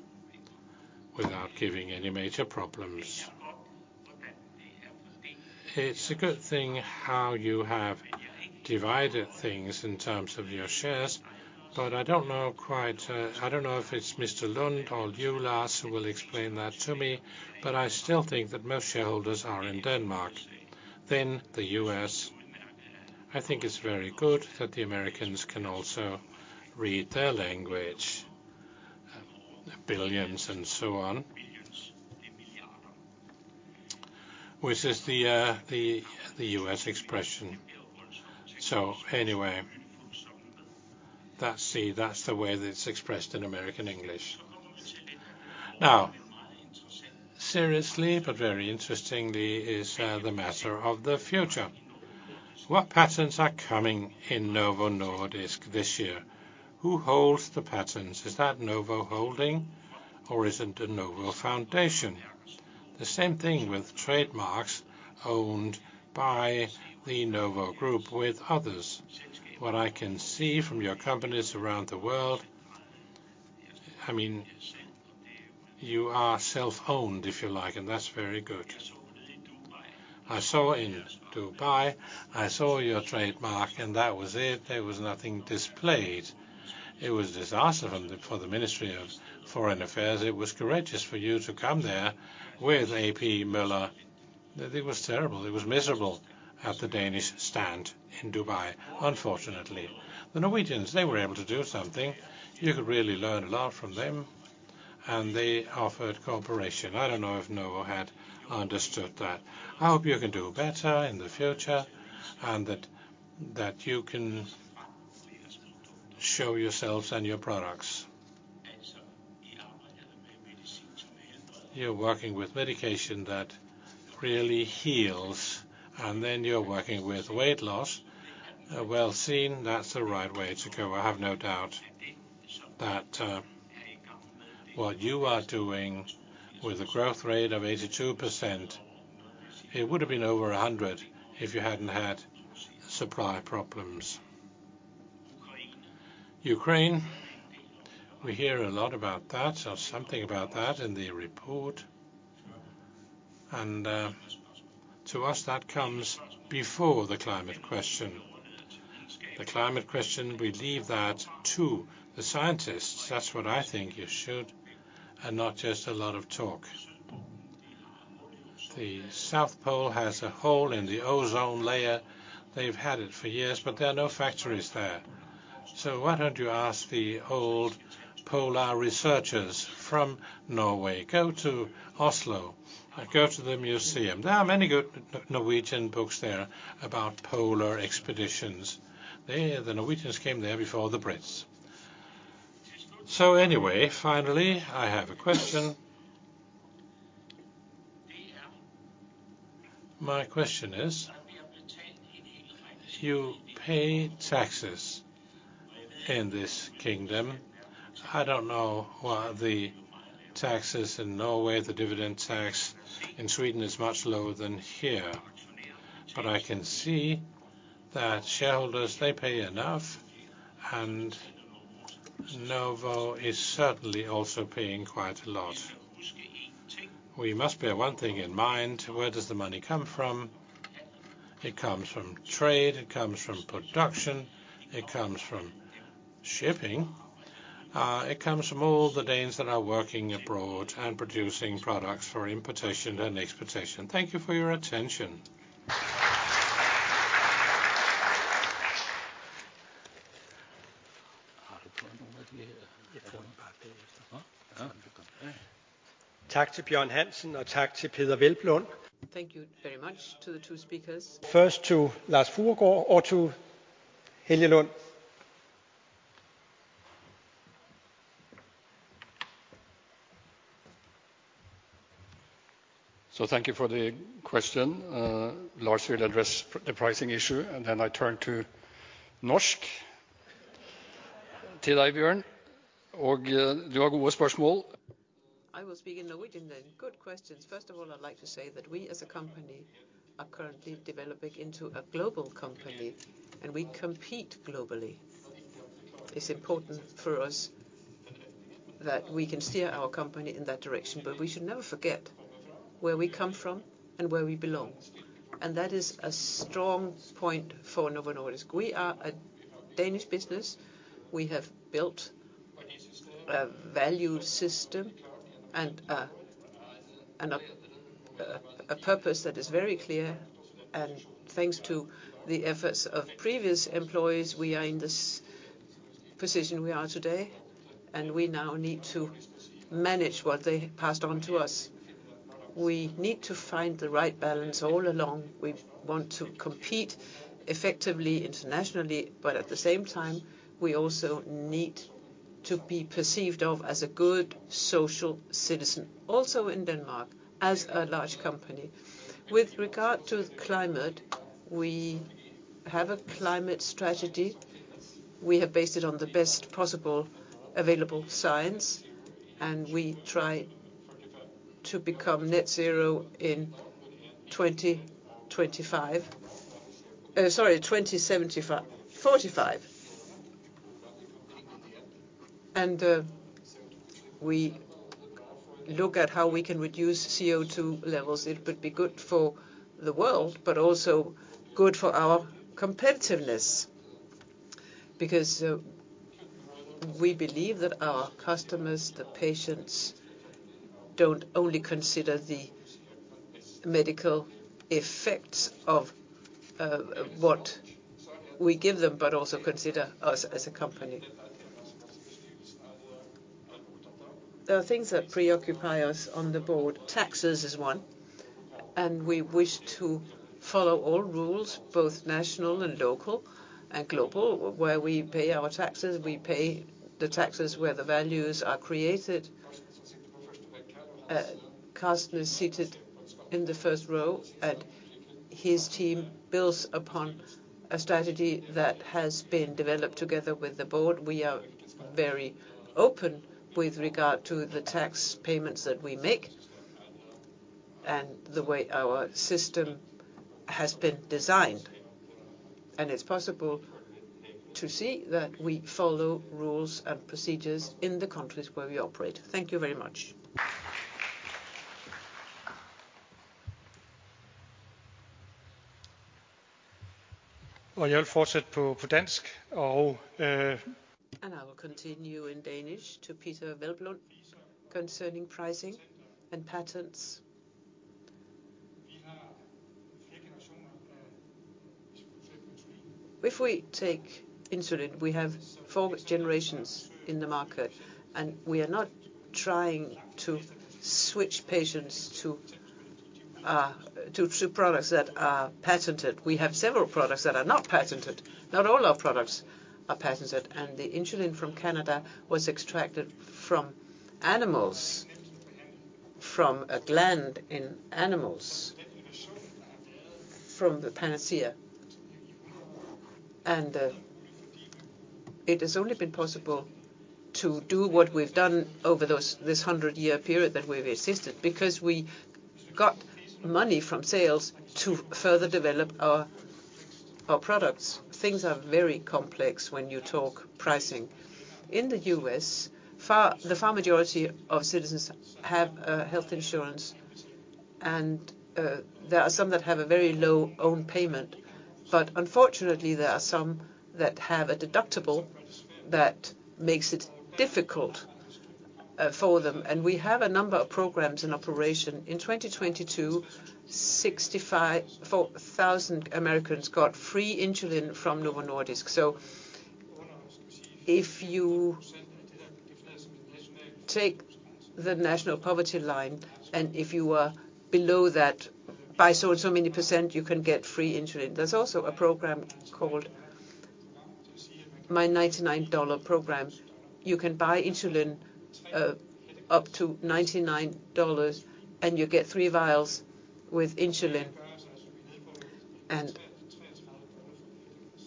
without giving any major problems. It's a good thing how you have divided things in terms of your shares, but I don't know quite, I don't know if it's Mr. Lund or you, Lars, who will explain that to me. I still think that most shareholders are in Denmark, then the U.S. I think it's very good that the Americans can also read their language, billions and so on, which is the U.S. expression. Anyway, that's the way that it's expressed in American English. Seriously, very interestingly is the matter of the future. What patents are coming in Novo Nordisk this year? Who holds the patents? Is that Novo Holdings or is it the Novo Nordisk Foundation? The same thing with trademarks owned by the Novo Group with others. What I can see from your companies around the world, I mean, you are self-owned, if you like, and that's very good. I saw in Dubai, I saw your trademark, and that was it. There was nothing displayed. It was a disaster for the Ministry of Foreign Affairs. It was courageous for you to come there with A.P. Møller. It was terrible. It was miserable at the Danish stand in Dubai, unfortunately. The Norwegians, they were able to do something. You could really learn a lot from them, and they offered cooperation. I don't know if Novo had understood that. I hope you can do better in the future, and that you can show yourselves and your products. You're working with medication that really heals, and then you're working with weight loss. Well seen, that's the right way to go. I have no doubt that what you are doing with a growth rate of 82%, it would've been over 100 if you hadn't had supply problems. Ukraine, we hear a lot about that, or something about that in the report. To us, that comes before the climate question. The climate question, we leave that to the scientists. That's what I think you should, and not just a lot of talk. The South Pole has a hole in the ozone layer. They've had it for years, but there are no factories there. Why don't you ask the old polar researchers from Norway? Go to Oslo and go to the museum. There are many good Norwegian books there about polar expeditions. They, the Norwegians came there before the Brits. Anyway, finally, I have a question. My question is, you pay taxes in this kingdom. I don't know what are the taxes in Norway, the dividend tax in Sweden is much lower than here. I can see that shareholders, they pay enough, and Novo is certainly also paying quite a lot. We must bear one thing in mind, where does the money come from? It comes from trade, it comes from production, it comes from shipping, it comes from all the Danes that are working abroad and producing products for importation and exportation. Thank you for your attention. Thank you very much to the two speakers. First to Lars Fruergaard or to Helge Lund. Thank you for the question. Lars will address the pricing issue. I turn to Norsk. I will speak in Norwegian. Good questions. First of all, I'd like to say that we as a company are currently developing into a global company, and we compete globally. It's important for us that we can steer our company in that direction, but we should never forget where we come from and where we belong, and that is a strong point for Novo Nordisk. We are a Danish business. We have built a value system and a purpose that is very clear. Thanks to the efforts of previous employees, we are in this position we are today, and we now need to manage what they passed on to us. We need to find the right balance all along. We want to compete effectively internationally. At the same time, we also need to be perceived of as a good social citizen, also in Denmark as a large company. With regard to climate, we have a climate strategy. We have based it on the best possible available science. We try to become net zero in 2025. Sorry, 2045. We look at how we can reduce CO2 levels. It would be good for the world, also good for our competitiveness because we believe that our customers, the patients, don't only consider the medical effects of what we give them but also consider us as a company. There are things that preoccupy us on the board. Taxes is one. We wish to follow all rules, both national and local and global, where we pay our taxes. We pay the taxes where the values are created. Carsten is seated in the first row. His team builds upon a strategy that has been developed together with the board. We are very open with regard to the tax payments that we make and the way our system has been designed. It's possible to see that we follow rules and procedures in the countries where we operate. Thank you very much. I will continue in Danish to Peder Hvelplund concerning pricing and patents. If we take insulin, we have four generations in the market, and we are not trying to switch patients to products that are patented. We have several products that are not patented. Not all our products are patented. The insulin from Canada was extracted from animals, from a gland in animals, from the pancreas. It has only been possible to do what we've done over this 100-year period that we've existed because we got money from sales to further develop our products. Things are very complex when you talk pricing. In the U.S., the far majority of citizens have health insurance and there are some that have a very low own payment. Unfortunately, there are some that have a deductible that makes it difficult for them. We have a number of programs in operation. In 2022, 4,000 Americans got free insulin from Novo Nordisk. If you take the national poverty line, and if you are below that by so and so many %, you can get free insulin. There's also a program called My $99 Program. You can buy insulin up to $99, and you get three vials with insulin.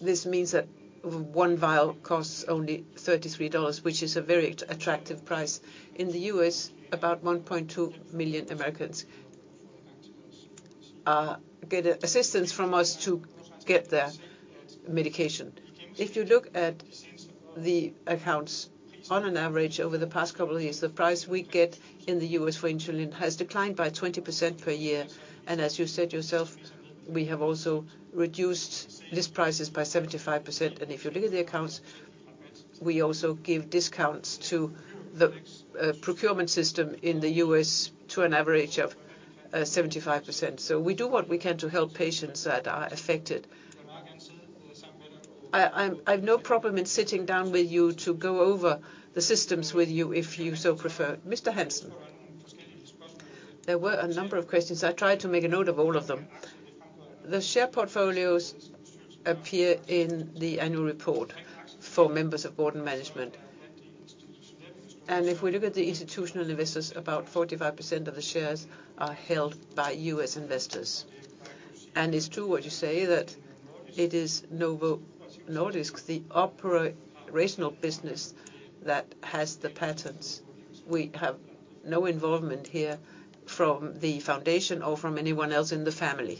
This means that 1 vial costs only $33, which is a very attractive price. In the U.S., about 1.2 million Americans get assistance from us to get their medication. If you look at the accounts on an average over the past couple of years, the price we get in the U.S. for insulin has declined by 20% per year. As you said yourself, we have also reduced list prices by 75%. If you look at the accounts, we also give discounts to the procurement system in the U.S. to an average of 75%. We do what we can to help patients that are affected. I've no problem in sitting down with you to go over the systems with you if you so prefer. Mr. Hansen. There were a number of questions. I tried to make a note of all of them. The share portfolios appear in the annual report for members of board and management. If we look at the institutional investors, about 45% of the shares are held by U.S. investors. It's true what you say that it is Novo Nordisk, the operational business that has the patents. We have no involvement here from the Foundation or from anyone else in the family.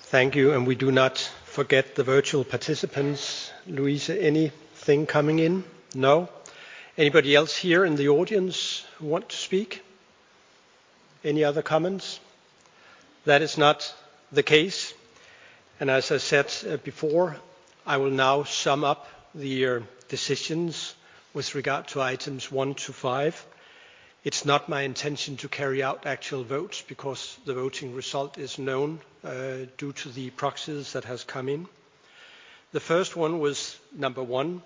Thank you. We do not forget the virtual participants. Louise, anything coming in? No. Anybody else here in the audience who want to speak? Any other comments? That is not the case. As I said, before, I will now sum up the decisions with regard to items 1 to 5. It's not my intention to carry out actual votes because the voting result is known due to the proxies that has come in. The first one was number 1,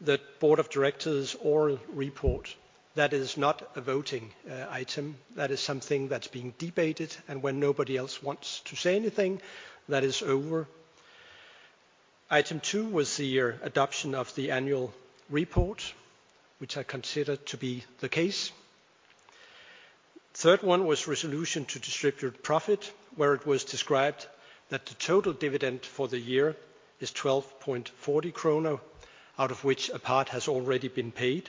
the board of directors' oral report. That is not a voting item. That is something that's being debated, and when nobody else wants to say anything, that is over. Item 2 was the adoption of the annual report, which I consider to be the case. Third one was resolution to distribute profit, where it was described that the total dividend for the year is DKK 12.40, out of which a part has already been paid.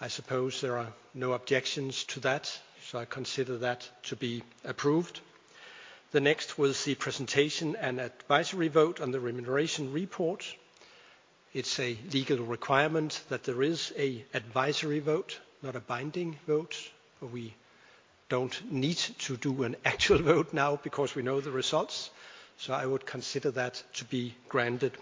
I suppose there are no objections to that, so I consider that to be approved. The next was the presentation and advisory vote on the Remuneration Report. It's a legal requirement that there is an advisory vote, not a binding vote. We don't need to do an actual vote now because we know the results. I would consider that to be granted.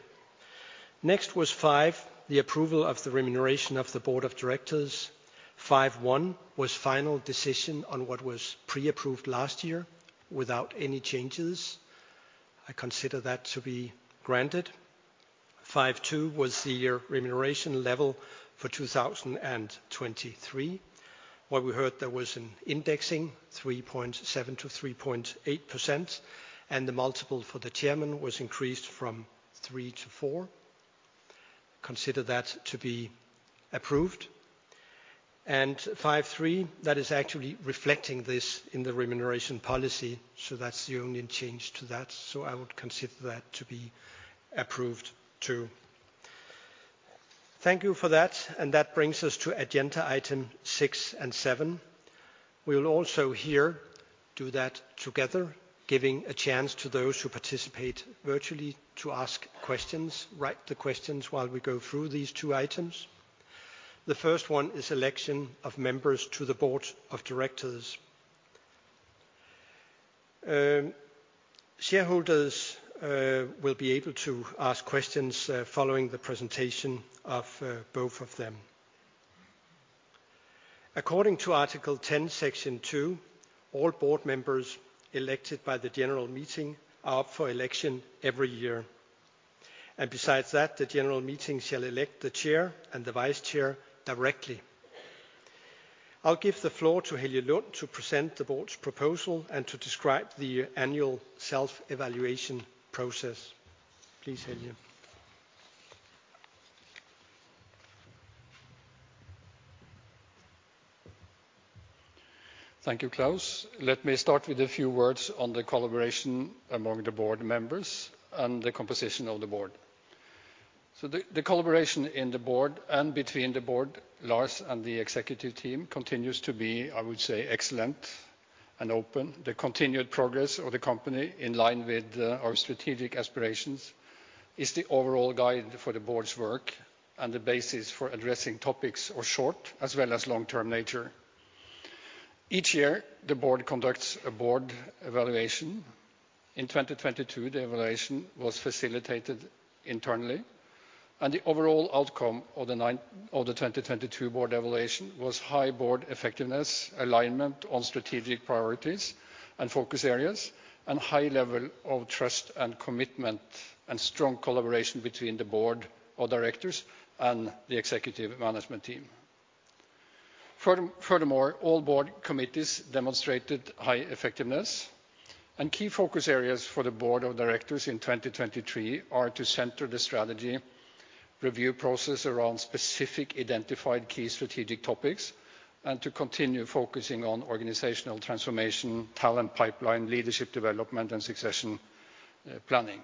Next was 5, the approval of the remuneration of the Board of Directors. 5.1 was final decision on what was pre-approved last year without any changes. I consider that to be granted. 5.2 was the remuneration level for 2023. What we heard there was an indexing 3.7% to 3.8%, and the multiple for the chairman was increased from 3 to 4. Consider that to be approved. 5.3, that is actually reflecting this in the remuneration policy, so that's the only change to that. I would consider that to be approved too. Thank you for that brings us to agenda item 6 and 7. We will also here do that together, giving a chance to those who participate virtually to ask questions, write the questions while we go through these two items. The first one is election of members to the board of directors. Shareholders will be able to ask questions following the presentation of both of them. According to Article 10, Section 2, all board members elected by the general meeting are up for election every year. Besides that, the general meeting shall elect the chair and the vice chair directly. I'll give the floor to Helge Lund to present the board's proposal and to describe the annual self-evaluation process. Please, Helge. Thank you, Claus. Let me start with a few words on the collaboration among the board members and the composition of the board. The collaboration in the board and between the board, Lars, and the executive team continues to be, I would say, excellent and open. The continued progress of the company in line with our strategic aspirations is the overall guide for the board's work and the basis for addressing topics of short as well as long-term nature. Each year, the board conducts a board evaluation. In 2022, the evaluation was facilitated internally. The overall outcome of the 2022 board evaluation was high board effectiveness, alignment on strategic priorities and focus areas, and high level of trust and commitment, and strong collaboration between the board of directors and the executive management team. Furthermore, all board committees demonstrated high effectiveness. Key focus areas for the board of directors in 2023 are to center the strategy review process around specific identified key strategic topics, and to continue focusing on organizational transformation, talent pipeline, leadership development, and succession planning.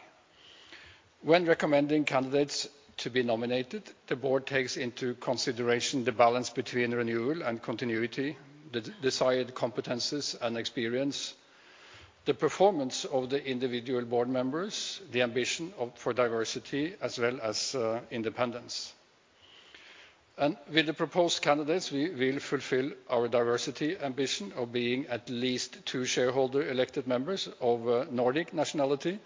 When recommending candidates to be nominated, the board takes into consideration the balance between renewal and continuity, the desired competencies and experience, the performance of the individual board members, the ambition for diversity as well as independence. With the proposed candidates, we will fulfill our diversity ambition of being at least two shareholder elected members of Nordic nationality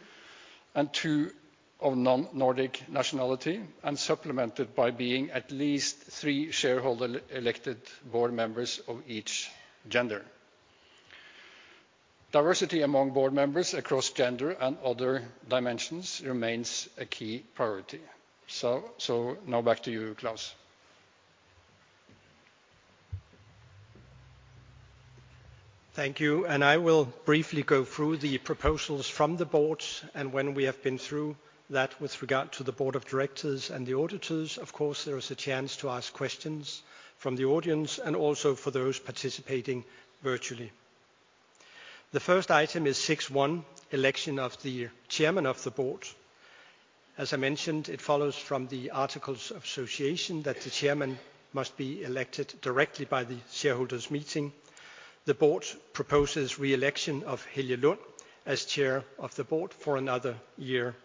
and two of non-Nordic nationality, and supplemented by being at least three shareholder elected board members of each gender. Diversity among board members across gender and other dimensions remains a key priority. Now back to you, Claus Søgaard. Thank you. I will briefly go through the proposals from the board. When we have been through that with regard to the board of directors and the auditors, of course, there is a chance to ask questions from the audience and also for those participating virtually. The first item is 6.1, election of the chairman of the board. As I mentioned, it follows from the articles of association that the chairman must be elected directly by the shareholders' meeting. The board proposes re-election of Helge Lund as chair of the board for another year.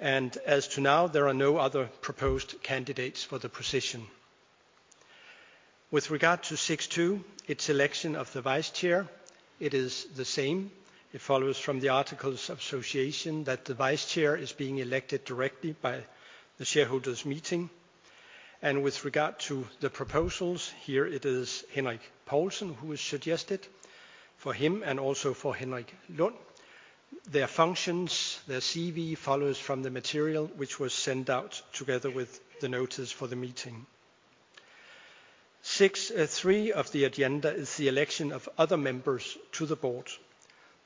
As to now, there are no other proposed candidates for the position. With regard to 6.2, it's election of the vice chair. It is the same. It follows from the articles of association that the vice chair is being elected directly by the shareholders' meeting. With regard to the proposals, here it is Henrik Poulsen who is suggested. For him and also for Helge Lund, their functions, their CV follows from the material which was sent out together with the notice for the meeting. 6.3 of the agenda is the election of other members to the board.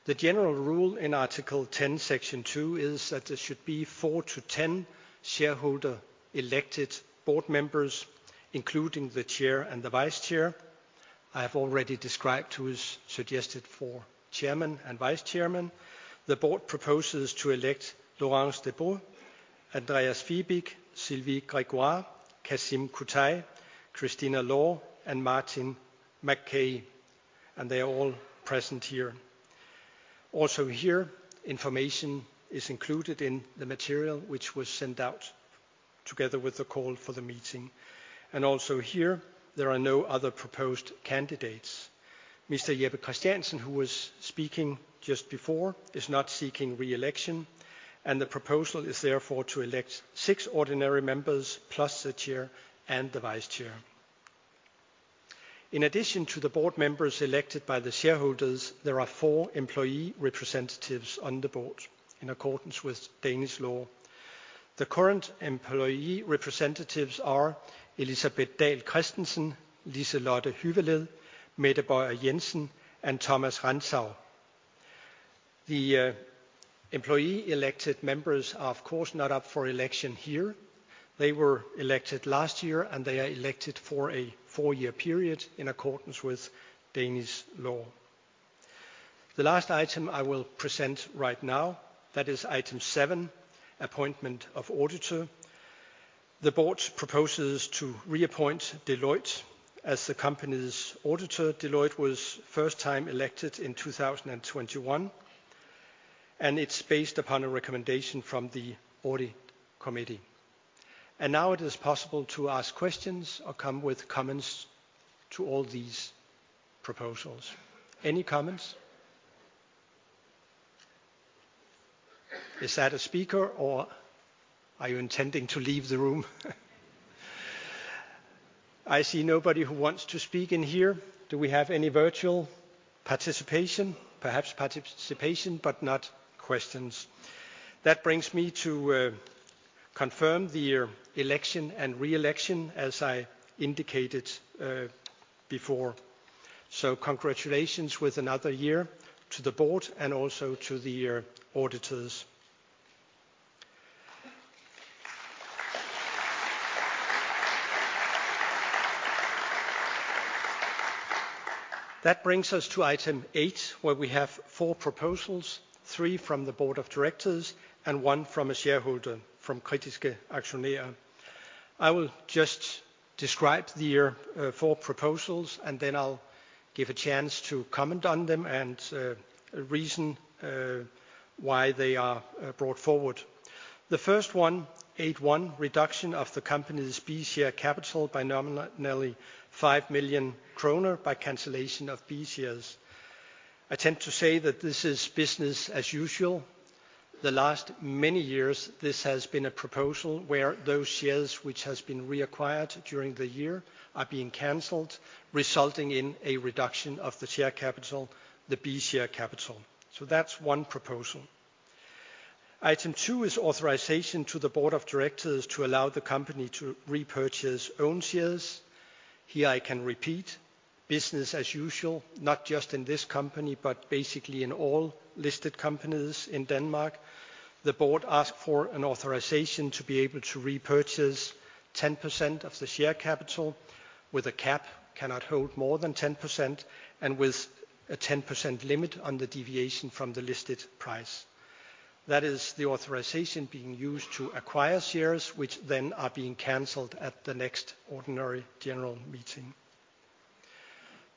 The general rule in Article 10, Section 2 is that there should be 4-10 shareholder elected board members, including the chair and the vice chair. I have already described who is suggested for chairman and vice chairman. The board proposes to elect Laurence Debroux, Andreas Fibig, Sylvie Grégoire, Kasim Kutay, Christina Law, and Martin Mackay, and they are all present here. Also here, information is included in the material which was sent out together with the call for the meeting. Also here, there are no other proposed candidates. Mr. Jeppe Christiansen, who was speaking just before, is not seeking re-election, and the proposal is therefore to elect six ordinary members, plus the chair and the vice chair. In addition to the board members elected by the shareholders, there are four employee representatives on the board in accordance with Danish law. The current employee representatives are Elisabeth Dahl Christensen, Liselotte Hyveled, Mette Bøjer Jensen, and Thomas Rantzau. The employee elected members are of course not up for election here. They were elected last year, and they are elected for a four-year period in accordance with Danish law. The last item I will present right now, that is item seven, appointment of auditor. The board proposes to reappoint Deloitte as the company's auditor. Deloitte was first time elected in 2021, and it's based upon a recommendation from the audit committee. Now it is possible to ask questions or come with comments to all these proposals. Any comments? Is that a speaker or are you intending to leave the room? I see nobody who wants to speak in here. Do we have any virtual participation? Perhaps participation, but not questions. That brings me to confirm the election and re-election as I indicated before. Congratulations with another year to the board and also to the auditors. That brings us to item 8, where we have four proposals, three from the board of directors and one from a shareholder from Kritiske Aktionærer. I will just describe the four proposals, and then I'll give a chance to comment on them and reason why they are brought forward. The first one, 8.1, reduction of the company's B-share capital by nominally 5 million kroner by cancellation of B shares. I tend to say that this is business as usual. The last many years, this has been a proposal where those shares which has been reacquired during the year are being canceled, resulting in a reduction of the share capital, the B-share capital. That's one proposal. Item two is authorization to the board of directors to allow the company to repurchase own shares. Here I can repeat, business as usual, not just in this company, but basically in all listed companies in Denmark. The board ask for an authorization to be able to repurchase 10% of the share capital with a cap, cannot hold more than 10%, and with a 10% limit on the deviation from the listed price. That is the authorization being used to acquire shares, which then are being canceled at the next ordinary general meeting.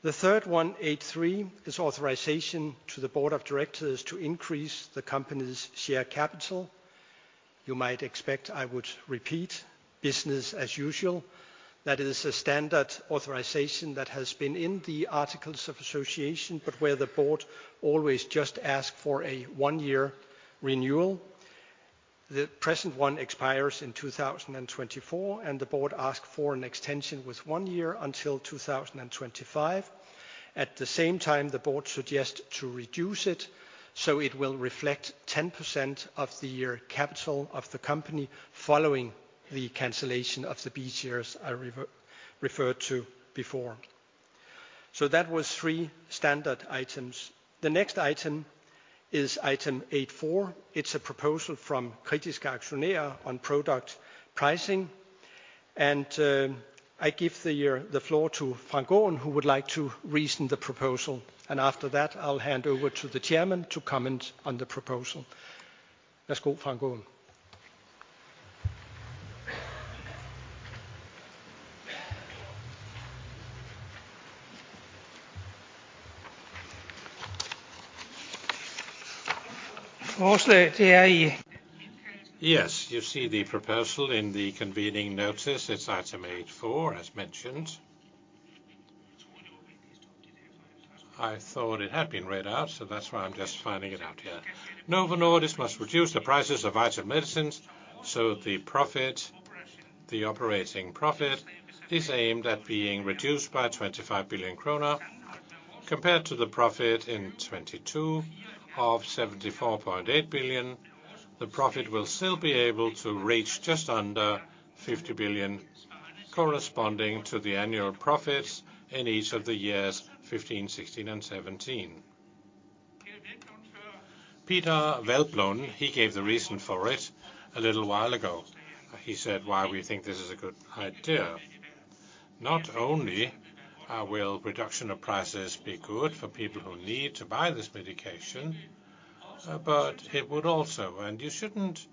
The third one, 8.3, is authorization to the board of directors to increase the company's share capital. You might expect I would repeat, business as usual. That is a standard authorization that has been in the articles of association, but where the board always just ask for a 1-year renewal. The present one expires in 2024, and the board ask for an extension with 1 year until 2025. At the same time, the board suggest to reduce it, so it will reflect 10% of the year capital of the company following the cancellation of the B-shares I referred to before. That was three standard items. The next item is item 8.4. It's a proposal from Kritiske Aktionærer on product pricing. I give the floor to Frank Aaen, who would like to reason the proposal. After that, I'll hand over to the chairman to comment on the proposal. Let's go, Frank Aaen. You see the proposal in the convening notice. It's item 8.4, as mentioned. I thought it had been read out, so that's why I'm just finding it out here. Novo Nordisk must reduce the prices of item medicines, so the profit, the operating profit, is aimed at being reduced by 25 billion kroner. Compared to the profit in 2022 of 74.8 billion, the profit will still be able to reach just under 50 billion, corresponding to the annual profits in each of the years 2015, 2016, and 2017. Peter Værløwn, he gave the reason for it a little while ago. He said why we think this is a good idea. Not only will reduction of prices be good for people who need to buy this medication, but it would also... You shouldn't,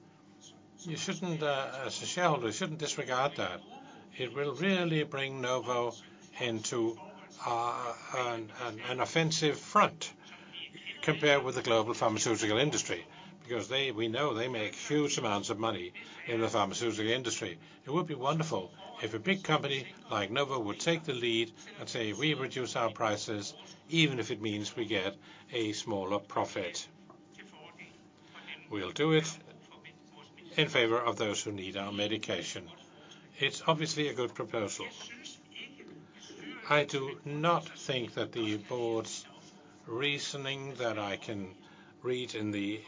as a shareholder, disregard that. It will really bring Novo into an offensive front compared with the global pharmaceutical industry, because we know they make huge amounts of money in the pharmaceutical industry. It would be wonderful if a big company like Novo would take the lead and say, "We reduce our prices, even if it means we get a smaller profit. We'll do it in favor of those who need our medication." It's obviously a good proposal. I do not think that the board's reasoning that I can read in the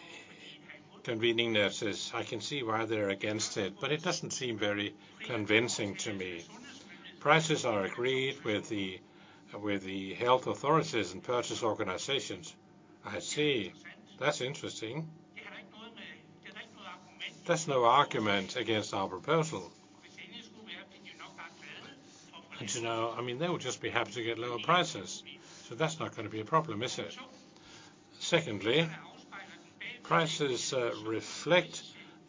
convening notice, I can see why they're against it, but it doesn't seem very convincing to me. Prices are agreed with the health authorities and purchase organizations. I see. That's interesting. That's no argument against our proposal. You know, I mean, they would just be happy to get lower prices, so that's not gonna be a problem, is it? Secondly, prices reflect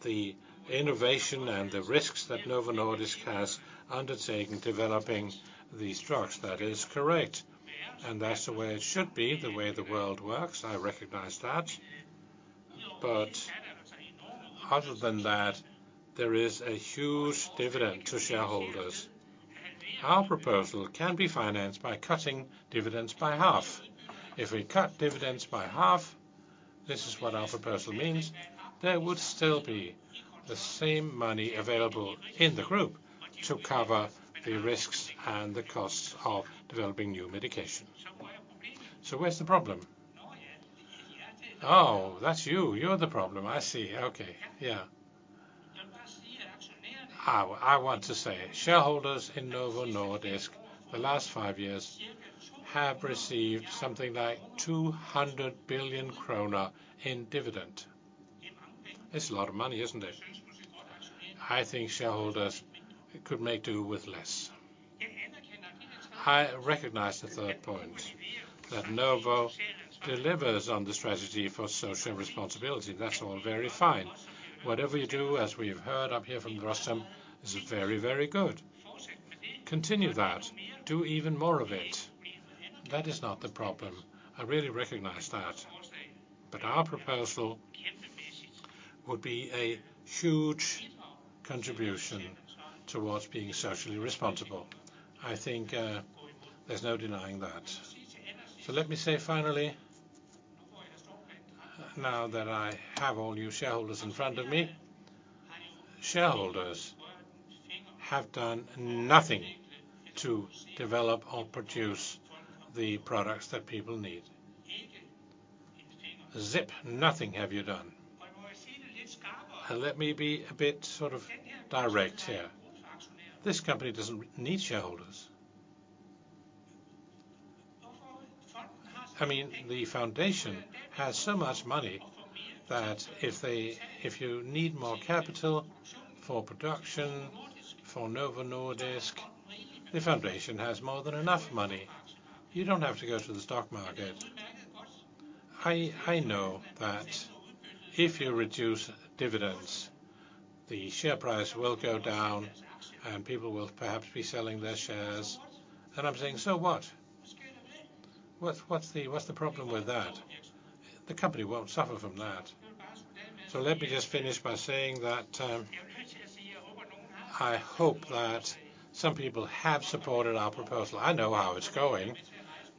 the innovation and the risks that Novo Nordisk has undertaken developing these drugs. That is correct, that's the way it should be, the way the world works. I recognize that. Other than that, there is a huge dividend to shareholders. Our proposal can be financed by cutting dividends by half. If we cut dividends by half, this is what our proposal means, there would still be the same money available in the group to cover the risks and the costs of developing new medication. Where's the problem? Oh, that's you. You're the problem. I see. Okay. Yeah. I want to say, shareholders in Novo Nordisk, the last five years have received something like 200 billion krone in dividend. It's a lot of money, isn't it? I think shareholders could make do with less. I recognize the third point, that Novo delivers on the strategy for social responsibility. That's all very fine. Whatever you do, as we have heard up here from, is very, very good. Continue that. Do even more of it. That is not the problem. I really recognize that. Our proposal would be a huge contribution towards being socially responsible. I think there's no denying that. Let me say finally, now that I have all you shareholders in front of me, shareholders have done nothing to develop or produce the products that people need. Zip. Nothing have you done. Let me be a bit sort of direct here. This company doesn't need shareholders. I mean, the foundation has so much money that if you need more capital for production, for Novo Nordisk, the foundation has more than enough money. You don't have to go to the stock market. I know that if you reduce dividends, the share price will go down, people will perhaps be selling their shares. I'm saying, "So what? What's the problem with that?" The company won't suffer from that. Let me just finish by saying that I hope that some people have supported our proposal. I know how it's going,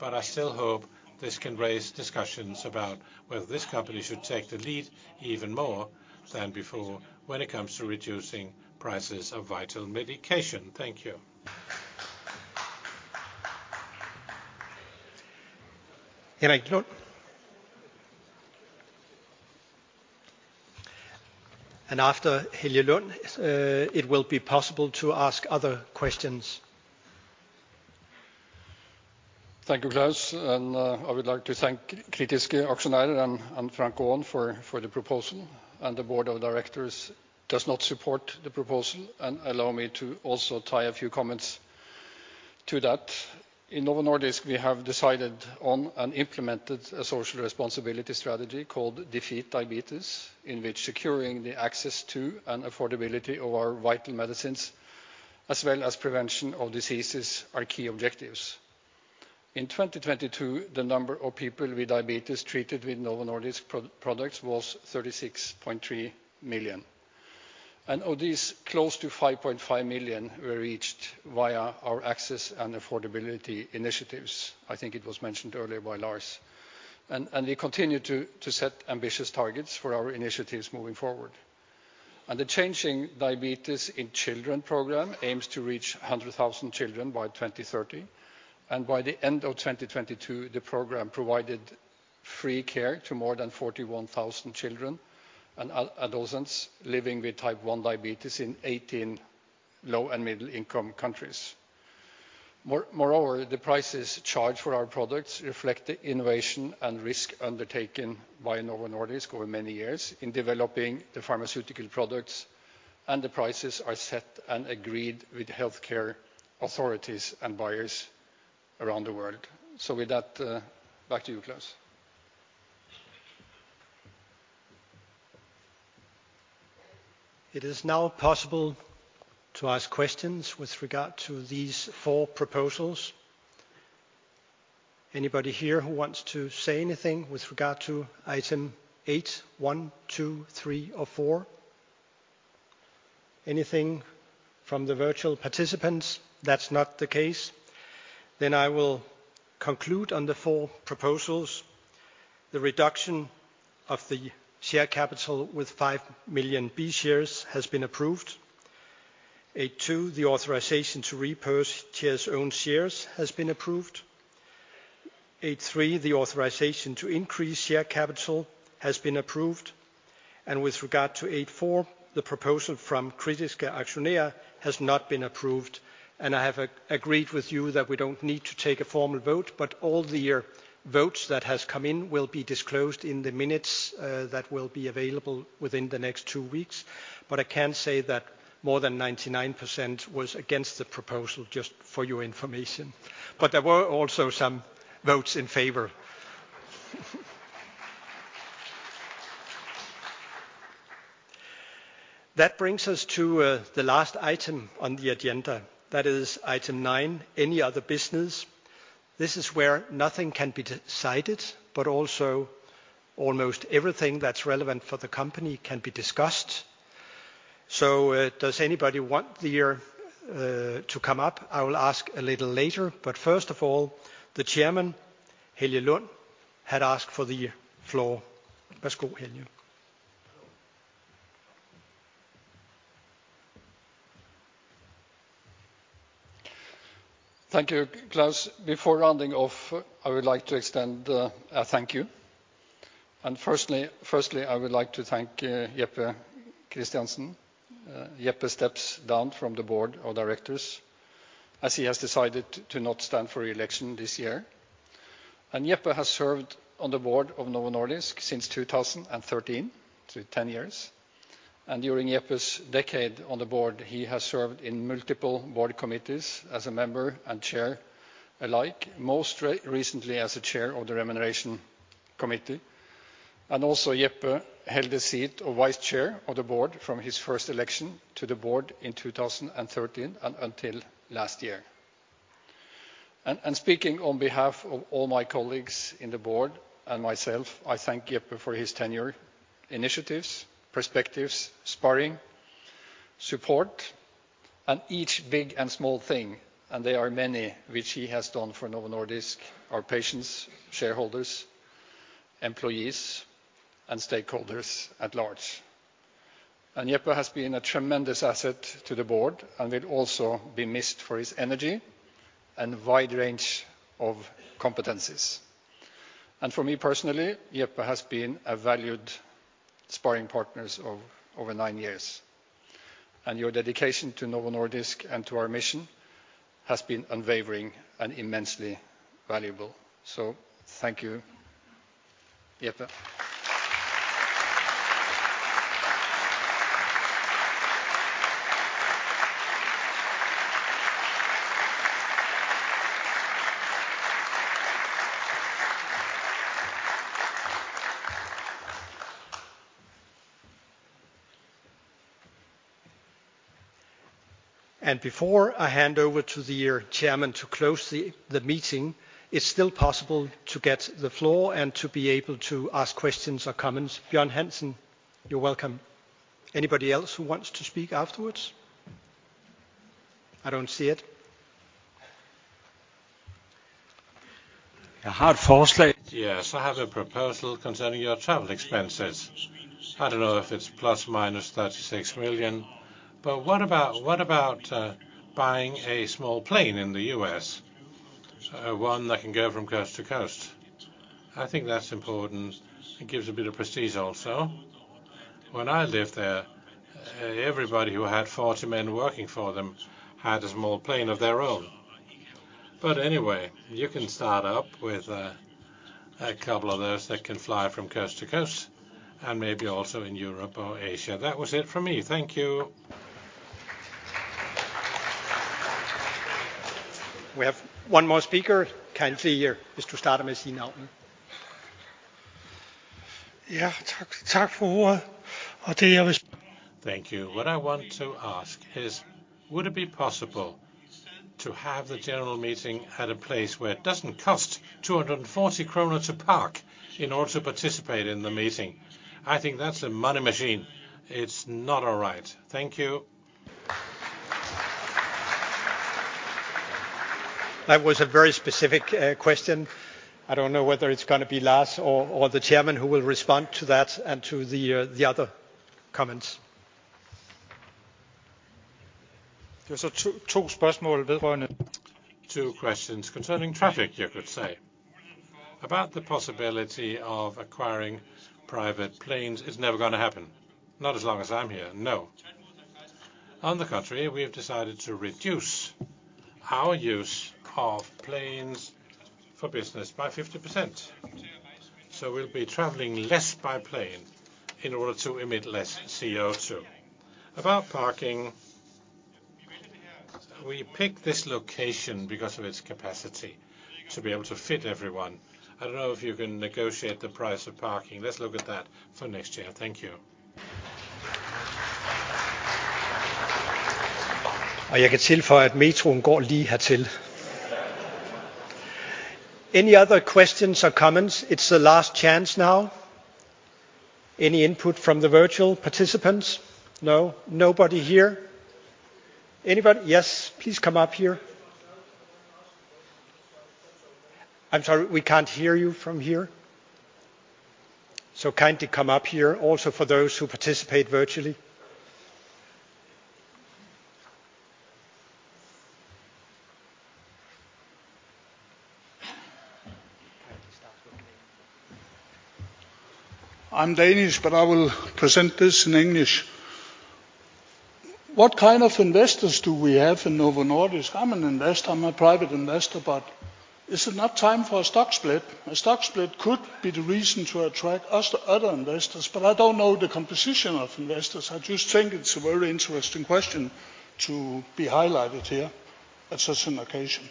I still hope this can raise discussions about whether this company should take the lead even more than before when it comes to reducing prices of vital medication. Thank you. Helge Lund. After Helge Lund, it will be possible to ask other questions. Thank you, Claus. I would like to thank Kritiske Aktionærer and Frank Aaen for the proposal. The board of directors does not support the proposal, and allow me to also tie a few comments to that. In Novo Nordisk, we have decided on and implemented a social responsibility strategy called Defeat Diabetes, in which securing the access to and affordability of our vital medicines, as well as prevention of diseases are key objectives. In 2022, the number of people with diabetes treated with Novo Nordisk products was 36.3 million. Of these, close to 5.5 million were reached via our access and affordability initiatives. I think it was mentioned earlier by Lars. We continue to set ambitious targets for our initiatives moving forward. The Changing Diabetes in Children program aims to reach 100,000 children by 2030. By the end of 2022, the program provided free care to more than 41,000 children and adolescents living with Type 1 diabetes in 18 low and middle-income countries. Moreover, the prices charged for our products reflect the innovation and risk undertaken by Novo Nordisk over many years in developing the pharmaceutical products, and the prices are set and agreed with healthcare authorities and buyers around the world. With that, back to you, Claus. It is now possible to ask questions with regard to these four proposals. Anybody here who wants to say anything with regard to item 8.1, 8.2, 8.3, or 8.4? Anything from the virtual participants? That's not the case. I will conclude on the four proposals. The reduction of the share capital with 5 million B shares has been approved. 8.2, the authorization to repurchase shares, own shares, has been approved. 8.3, the authorization to increase share capital has been approved. With regard to 8.4, the proposal from Kritiske Aktionærer has not been approved. I have agreed with you that we don't need to take a formal vote, but all the votes that has come in will be disclosed in the minutes that will be available within the next two weeks. I can say that more than 99% was against the proposal, just for your information. There were also some votes in favor. That brings us to the last item on the agenda. That is item 9, any other business. This is where nothing can be decided, but also almost everything that's relevant for the company can be discussed. Does anybody want the to come up? I will ask a little later. First of all, the Chairman, Helge Lund, had asked for the floor. Thank you, Claus. Before rounding off, I would like to extend a thank you. Firstly, I would like to thank Jeppe Christiansen. Jeppe steps down from the board of directors as he has decided to not stand for reelection this year. Jeppe has served on the board of Novo Nordisk since 2013, so 10 years. During Jeppe's decade on the board, he has served in multiple board committees as a member and Chair alike. Most recently as a Chair of the Remuneration Committee. Also, Jeppe held the seat of Vice Chair of the Board from his first election to the board in 2013 and until last year. Speaking on behalf of all my colleagues in the board and myself, I thank Jeppe for his tenure, initiatives, perspectives, sparring, support, and each big and small thing, and there are many, which he has done for Novo Nordisk, our patients, shareholders, employees, and stakeholders at large. Jeppe has been a tremendous asset to the board and will also be missed for his energy and wide range of competencies. For me personally, Jeppe has been a valued sparring partners of over nine years. Your dedication to Novo Nordisk and to our mission has been unwavering and immensely valuable. Thank you, Jeppe. Before I hand over to the chairman to close the meeting, it's still possible to get the floor and to be able to ask questions or comments. Bjørn Hansen, you're welcome. Anybody else who wants to speak afterwards? I don't see it. Yes, I have a proposal concerning your travel expenses. I don't know if it's plus or minus 36 million, but what about buying a small plane in the US? One that can go from coast to coast. I think that's important. It gives a bit of prestige also. When I lived there, everybody who had 40 men working for them had a small plane of their own. Anyway, you can start up with a couple of those that can fly from coast to coast and maybe also in Europe or Asia. That was it for me. Thank you. We have one more speaker. Thank you. What I want to ask is, would it be possible to have the general meeting at a place where it doesn't cost 240 kroner to park in order to participate in the meeting? I think that's a money machine. It's not all right. Thank you. That was a very specific question. I don't know whether it's gonna be Lars or the chairman who will respond to that and to the other comments. Two questions concerning traffic, you could say. About the possibility of acquiring private planes, it's never gonna happen. Not as long as I'm here, no. On the contrary, we have decided to reduce our use of planes for business by 50%. We'll be traveling less by plane in order to emit less CO2. About parking, we picked this location because of its capacity to be able to fit everyone. I don't know if you can negotiate the price of parking. Let's look at that for next year. Thank you. Any other questions or comments? It's the last chance now. Any input from the virtual participants? No? Nobody here. Anybody? Yes, please come up here. I'm sorry, we can't hear you from here. Kindly come up here, also for those who participate virtually. I'm Danish. I will present this in English. What kind of investors do we have in Novo Nordisk? I'm an investor. I'm a private investor. Is it not time for a stock split? A stock split could be the reason to attract us to other investors. I don't know the composition of investors. I just think it's a very interesting question to be highlighted here at such an occasion.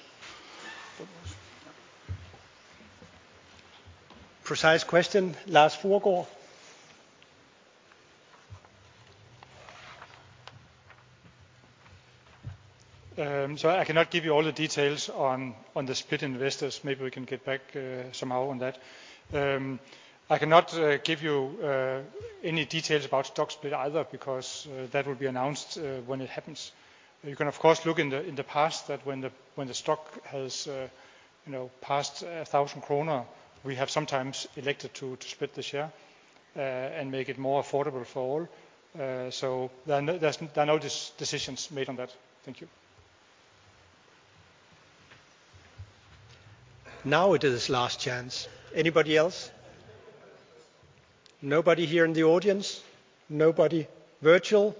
Precise question, Lars Fruergaard Jørgensen. I cannot give you all the details on the split investors. Maybe we can get back somehow on that. I cannot give you any details about stock split either because that will be announced when it happens. You can of course look in the past that when the stock has, you know, passed 1,000 kroner, we have sometimes elected to split the share and make it more affordable for all. So there are no decisions made on that. Thank you. Now it is last chance. Anybody else? Nobody here in the audience. Nobody virtual.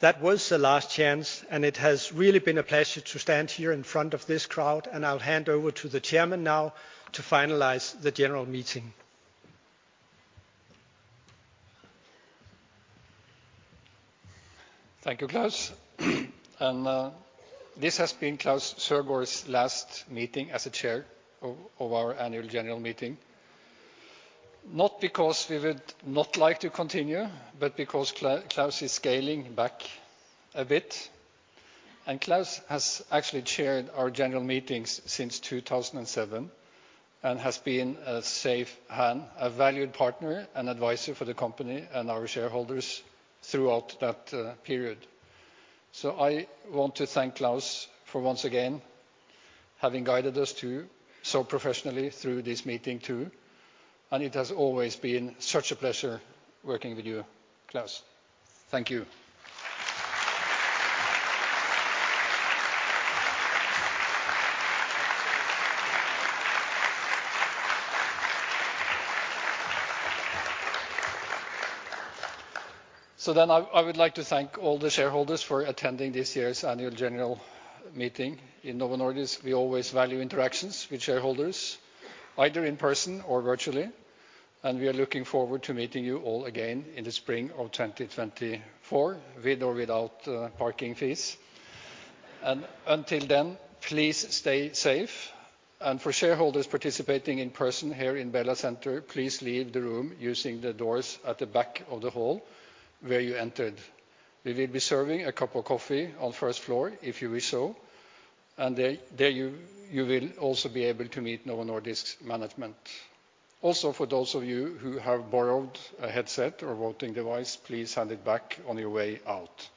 That was the last chance, and it has really been a pleasure to stand here in front of this crowd, and I'll hand over to the chairman now to finalize the general meeting. Thank you, Claus. This has been Claus Søgaard's last meeting as a chair of our annual general meeting. Not because we would not like to continue, but because Claus is scaling back a bit. Claus has actually chaired our general meetings since 2007, and has been a safe hand, a valued partner and advisor for the company and our shareholders throughout that period. I want to thank Claus for once again having guided us to so professionally through this meeting too. It has always been such a pleasure working with you, Claus. Thank you. I would like to thank all the shareholders for attending this year's annual general meeting. In Novo Nordisk, we always value interactions with shareholders, either in person or virtually, and we are looking forward to meeting you all again in the spring of 2024, with or without parking fees. Until then, please stay safe. For shareholders participating in person here in Bella Center, please leave the room using the doors at the back of the hall where you entered. We will be serving a cup of coffee on first floor if you wish so. There you will also be able to meet Novo Nordisk's management. For those of you who have borrowed a headset or voting device, please hand it back on your way out.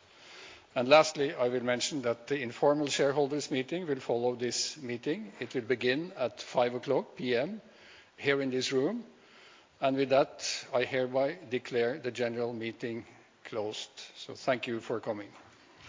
Lastly, I will mention that the informal shareholders meeting will follow this meeting. It will begin at 5:00 P.M. here in this room. With that, I hereby declare the general meeting closed. Thank you for coming.